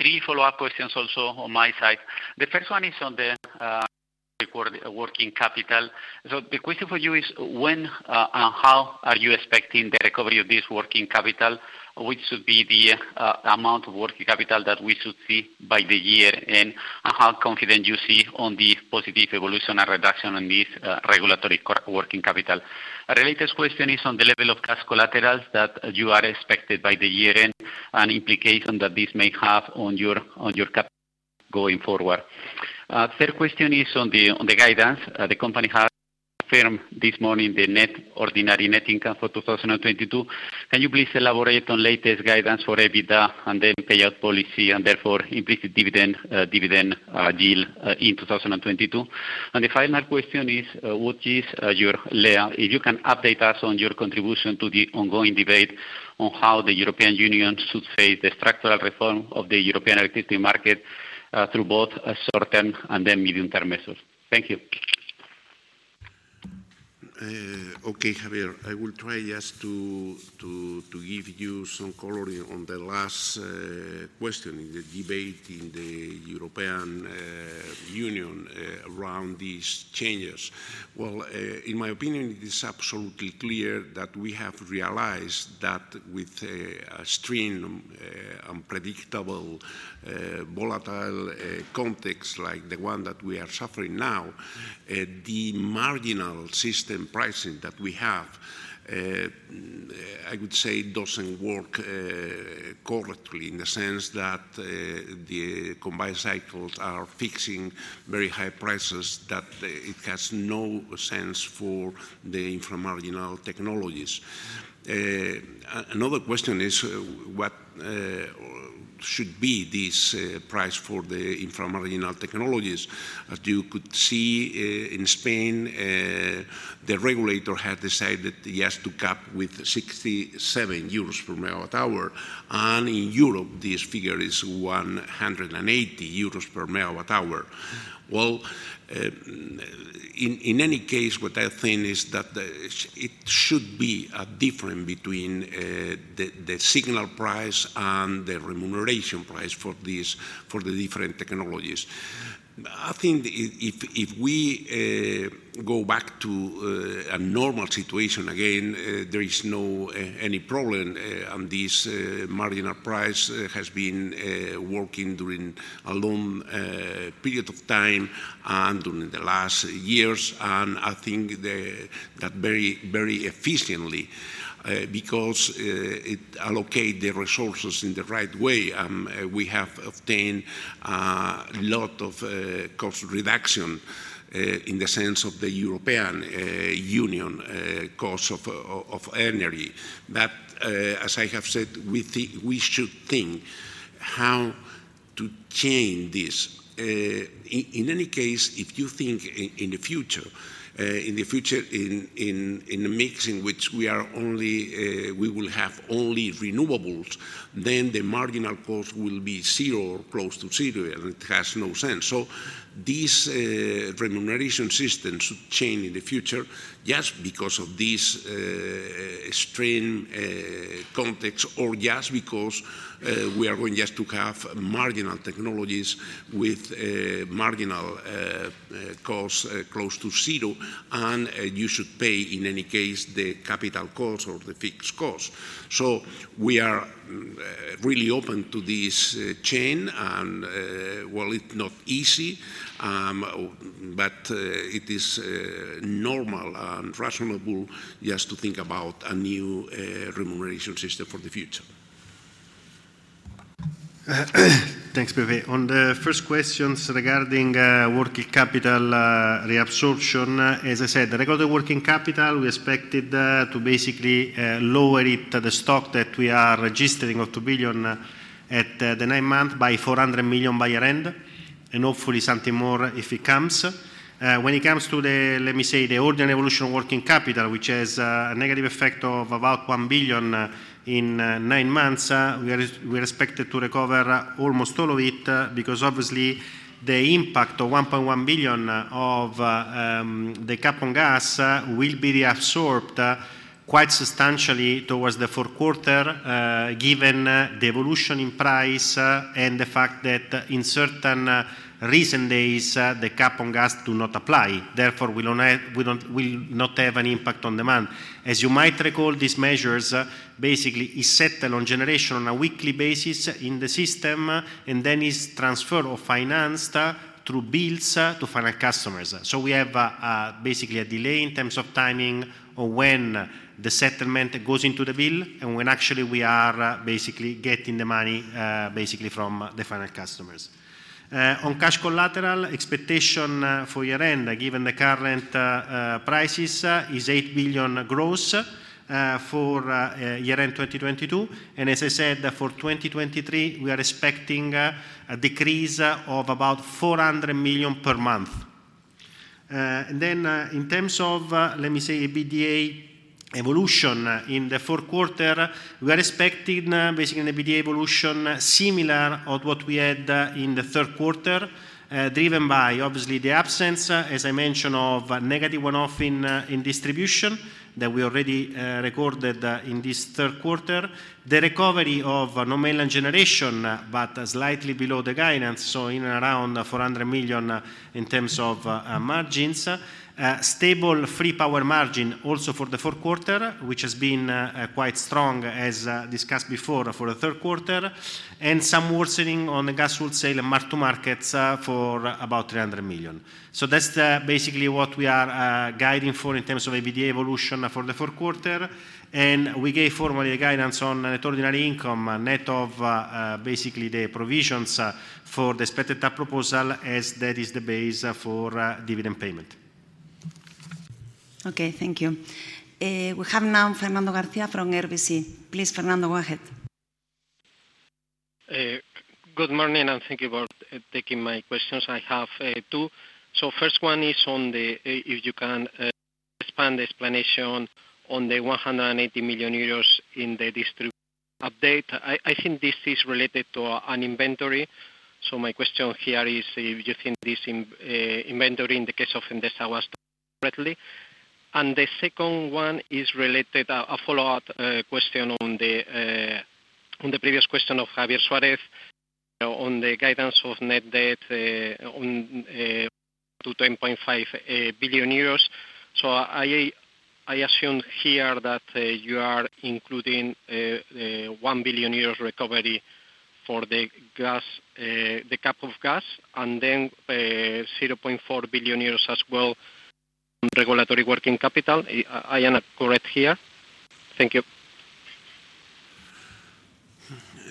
Three follow-up questions also on my side. The question for you is, when and how are you expecting the recovery of this working capital? Which should be the amount of working capital that we should see by the year-end? How confident you see on the positive evolution and reduction on this regulatory working capital? A related question is on the level of cash collaterals that you are expected by the year-end, and implication that this may have on your capital going forward. Third question is on the guidance. The company has confirmed this morning the net ordinary net income for 2022. Can you please elaborate on latest guidance for EBITDA and then payout policy, and therefore implicit dividend yield in 2022? The final question is, if you can update us on your contribution to the ongoing debate on how the European Union should face the structural reform of the European electricity market, through both short-term and then medium-term measures. Thank you. Okay, Javier. I will try just to give you some coloring on the last question, the debate in the European Union around these changes. Well, in my opinion, it is absolutely clear that we have realized that with an extreme, unpredictable, volatile context like the one that we are suffering now, the marginal system pricing that we have, I would say doesn't work correctly in the sense that the combined cycles are fixing very high prices, that it has no sense for the infra-marginal technologies. Another question is, what should be this price for the infra-marginal technologies? As you could see, in Spain, the regulator had decided he has to cap with 67 euros per MWh, and in Europe, this figure is 180 euros per MWh. In any case, what I think is that it should be different between the signal price and the remuneration price for the different technologies. I think if we go back to a normal situation again, there is any problem, and this marginal price has been working during a long period of time and during the last years. I think that very efficiently, because it allocate the resources in the right way. We have obtained a lot of cost reduction, in the sense of the European Union cost of energy. As I have said, we should think how to change this. In any case, if you think in the future, in a mix in which we will have only renewables, then the marginal cost will be zero, close to zero, and it has no sense. This remuneration system should change in the future, just because of this extreme context, or just because we are going just to have marginal technologies with marginal costs close to zero, and you should pay, in any case, the capital cost or the fixed cost. We are really open to this change and while it is not easy, but it is normal and reasonable just to think about a new remuneration system for the future. Thanks, José. On the first questions regarding working capital reabsorption, as I said, regarding working capital, we expected to basically lower it to the stock that we are registering of 2 billion at the nine months by 400 million by year-end, and hopefully something more if it comes. When it comes to the, let me say, the ordinary evolution of working capital, which has a negative effect of about 1 billion in nine months, we are expected to recover almost all of it, because obviously the impact of 1.1 billion of the cap on gas will be reabsorbed quite substantially towards the fourth quarter, given the evolution in price and the fact that in certain recent days, the cap on gas do not apply. Therefore, we will not have an impact on demand. As you might recall, these measures basically is settled on generation on a weekly basis in the system, and then is transferred or financed through bills to final customers. We have basically a delay in terms of timing of when the settlement goes into the bill, and when actually we are basically getting the money, basically from the final customers. On cash collateral, expectation for year-end, given the current prices, is 8 billion gross for year-end 2022. As I said, for 2023, we are expecting a decrease of about 400 million per month. In terms of, let me say, EBITDA evolution in the fourth quarter, we are expecting basically an EBITDA evolution similar of what we had in the third quarter, driven by obviously the absence, as I mentioned, of a negative one-off in distribution that we already recorded in this third quarter. The recovery of mainland generation, slightly below the guidance, in and around 400 million in terms of margins. Stable free power margin also for the fourth quarter, which has been quite strong, as discussed before, for the third quarter. Some worsening on the gas wholesale mark-to-markets for about 300 million. That's basically what we are guiding for in terms of EBITDA evolution for the fourth quarter. We gave formally a guidance on net ordinary income, net of basically the provisions for the split-up ETF proposal, as that is the base for dividend payment. Okay, thank you. We have now Fernando Garcia from RBC. Please, Fernando, go ahead. Good morning, thank you for taking my questions. I have two. First one is on the, if you can expand the explanation on the 180 million euros in the distribution update. I think this is related to an inventory. My question here is if you think this inventory in the case of Endesa was correctly. The second one is a follow-up question on the previous question of Javier Suárez, on the guidance of net debt on to 10.5 billion euros. I assume here that you are including 1 billion euros recovery for the cap of gas, then 0.4 billion euros as well on regulatory working capital. I am correct here? Thank you.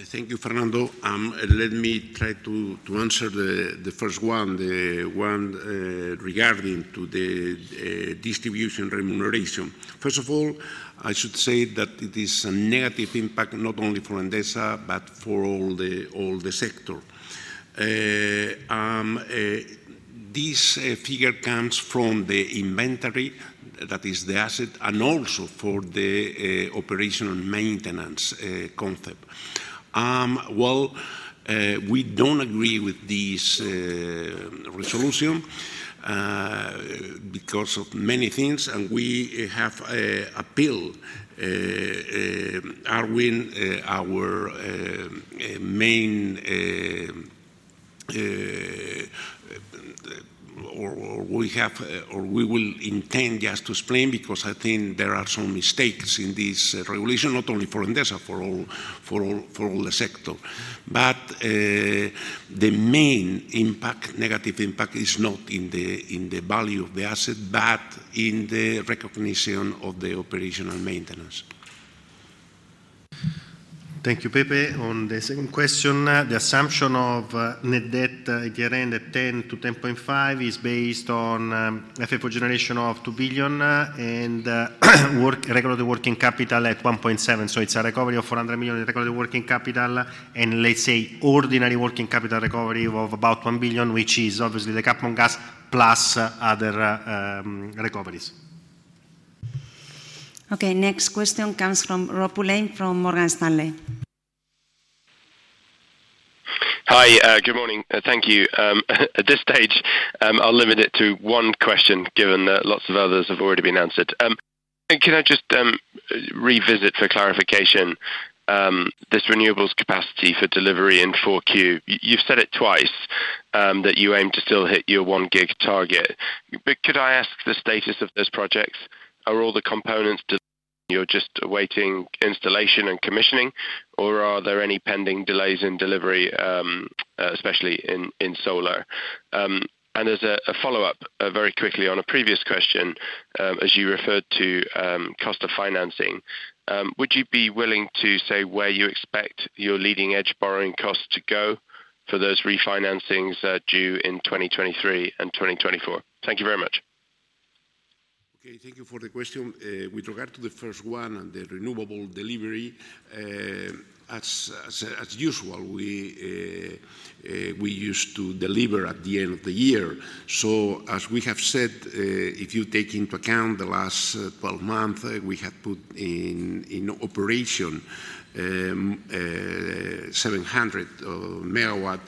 Thank you, Fernando. Let me try to answer the first one, the one regarding to the distribution remuneration. First of all, I should say that it is a negative impact not only for Endesa, but for all the sector. This figure comes from the inventory, that is the asset, also for the operational maintenance concept. Well, we don't agree with this resolution because of many things, we have appealed. We will intend just to explain, because I think there are some mistakes in this regulation, not only for Endesa, for all the sector. The main negative impact is not in the value of the asset, but in the recognition of the operational maintenance. Thank you, Pepe. On the second question, the assumption of net debt at year-end at 10 billion-10.5 billion is based on FFO generation of 2 billion and regulatory working capital at 1.7 billion. It is a recovery of 400 million in regulatory working capital, and let's say ordinary working capital recovery of about 1 billion, which is obviously the cap on gas plus other recoveries. Okay. Next question comes from Robert Pulleyn from Morgan Stanley. Hi, good morning. Thank you. At this stage, I will limit it to one question, given that lots of others have already been answered. Can I just revisit for clarification, this renewables capacity for delivery in 4Q? You have said it twice, that you aim to still hit your one gig target. Could I ask the status of those projects? Are all the components just awaiting installation and commissioning, or are there any pending delays in delivery, especially in solar? As a follow-up, very quickly on a previous question, as you referred to cost of financing, would you be willing to say where you expect your leading-edge borrowing costs to go for those refinancings due in 2023 and 2024? Thank you very much. Okay. Thank you for the question. With regard to the first one on the renewable delivery, as usual, we used to deliver at the end of the year. As we have said, if you take into account the last 12 months, we have put in operation 700 MW.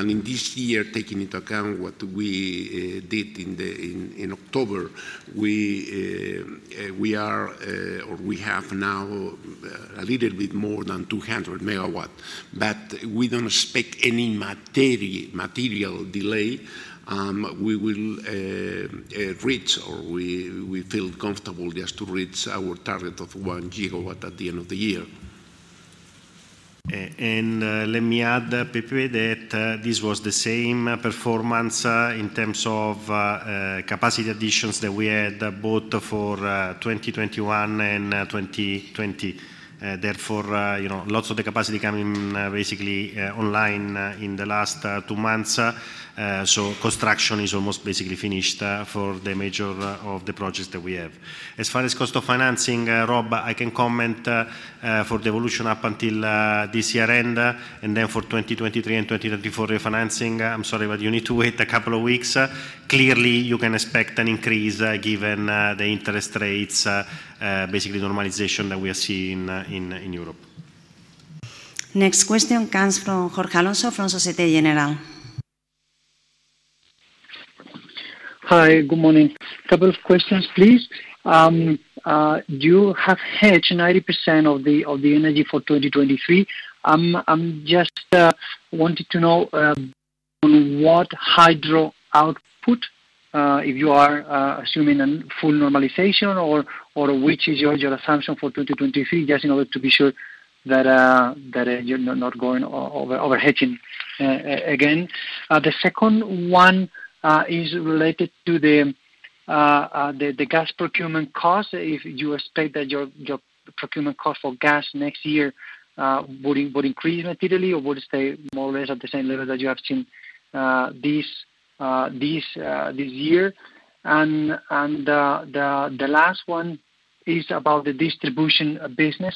In this year, taking into account what we did in October, we have now a little bit more than 200 MW. We do not expect any material delay. We will reach, or we feel comfortable just to reach our target of one gigawatt at the end of the year. Let me add, Pepe, that this was the same performance in terms of capacity additions that we had both for 2021 and 2020. Therefore, lots of the capacity coming basically online in the last two months. Construction is almost basically finished for the major of the projects that we have. As far as cost of financing, Rob, I can comment for the evolution up until this year-end, and then for 2023 and 2024 refinancing, I'm sorry, but you need to wait a couple of weeks. Clearly, you can expect an increase given the interest rates, basically normalization that we are seeing in Europe. Next question comes from Jorge Alonso from Societe Generale. Hi. Good morning. A couple of questions, please. You have hedged 90% of the energy for 2023. I just wanted to know on what hydro output, if you are assuming a full normalization or which is your assumption for 2023, just in order to be sure that you're not going over hedging again. The second one is related to the gas procurement cost. If you expect that your procurement cost for gas next year would increase materially or would stay more or less at the same level that you have seen this year. The last one is about the distribution business.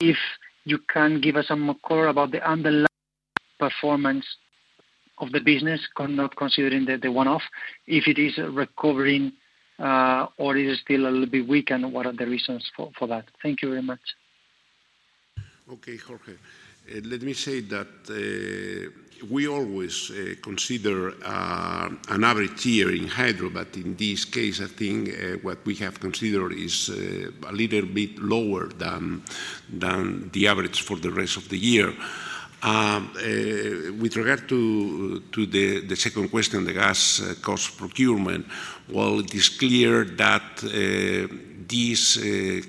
If you can give us some more color about the underlying performance of the business, not considering the one-off, if it is recovering or is it still a little bit weak, and what are the reasons for that? Thank you very much. Okay, Jorge. Let me say that we always consider an average year in hydro, but in this case, I think what we have considered is a little bit lower than the average for the rest of the year. With regard to the second question, the gas cost procurement, while it is clear that these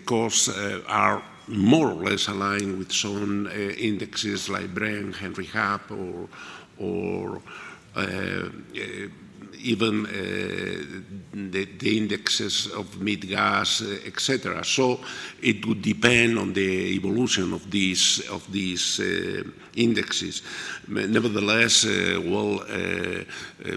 costs are more or less aligned with certain indexes like Brent, Henry Hub or even the indexes of MIBGAS, et cetera. It would depend on the evolution of these indexes. Nevertheless,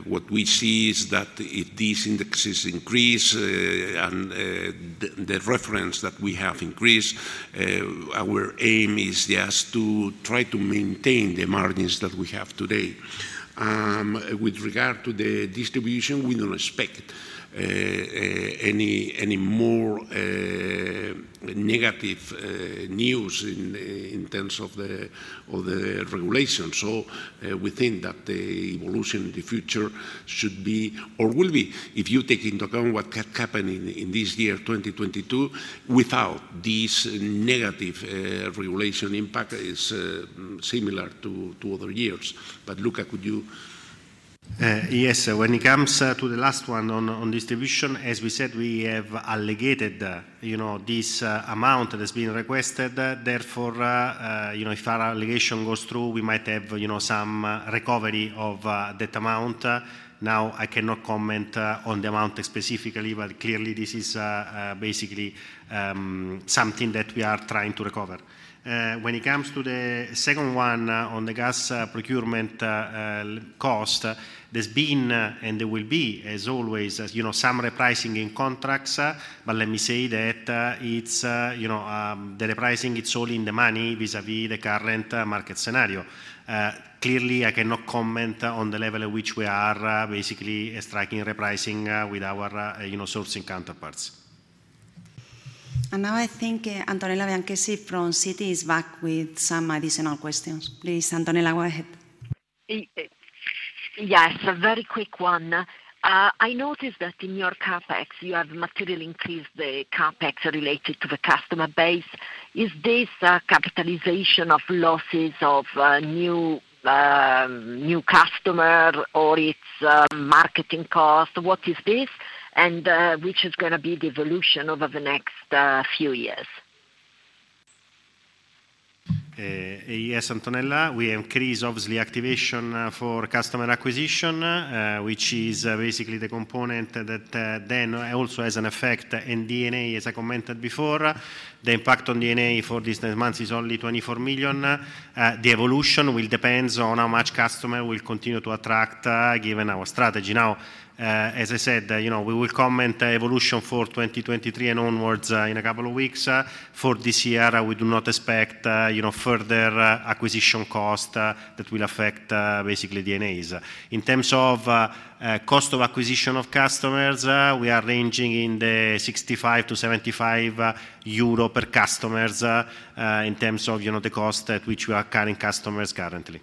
what we see is that if these indexes increase and the reference that we have increased, our aim is, yes, to try to maintain the margins that we have today. With regard to the distribution, we don't expect any more negative news in terms of the regulation. We think that the evolution in the future should be or will be, if you take into account what happened in this year, 2022, without this negative regulation impact is similar to other years. Luca, could you? Yes. When it comes to the last one on distribution, as we said, we have allocated this amount that has been requested. Therefore, if our allocation goes through, we might have some recovery of that amount. Now, I cannot comment on the amount specifically, but clearly this is basically something that we are trying to recover. When it comes to the second one on the gas procurement cost, there has been and there will be, as always, some repricing in contracts. Let me say that the repricing, it's all in the money vis-à-vis the current market scenario. Clearly, I cannot comment on the level at which we are basically striking repricing with our sourcing counterparts. Now I think Antonella Bianchessi from Citi is back with some additional questions. Please, Antonella, go ahead. Yes, a very quick one. I noticed that in your CapEx, you have materially increased the CapEx related to the customer base. Is this capitalization of losses of new customer or it's marketing cost? What is this, and which is going to be the evolution over the next few years? Yes, Antonella, we increase, obviously, activation for customer acquisition, which is basically the component that then also has an effect in D&A, as I commented before. The impact on D&A for these nine months is only 24 million. The evolution will depend on how much customer we will continue to attract given our strategy. Now, as I said, we will comment the evolution for 2023 and onwards in a couple of weeks. For this year, we do not expect further acquisition cost that will affect basically D&A. In terms of cost of acquisition of customers, we are ranging in the 65-75 euro per customers, in terms of the cost at which we are acquiring customers currently.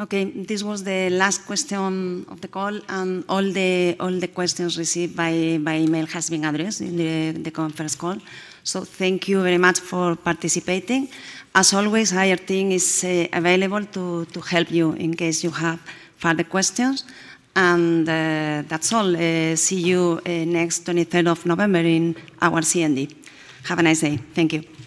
Okay, this was the last question of the call, and all the questions received by email has been addressed in the conference call. Thank you very much for participating. As always, IR team is available to help you in case you have further questions. That's all. See you next 23rd of November in our CMD. Have a nice day. Thank you.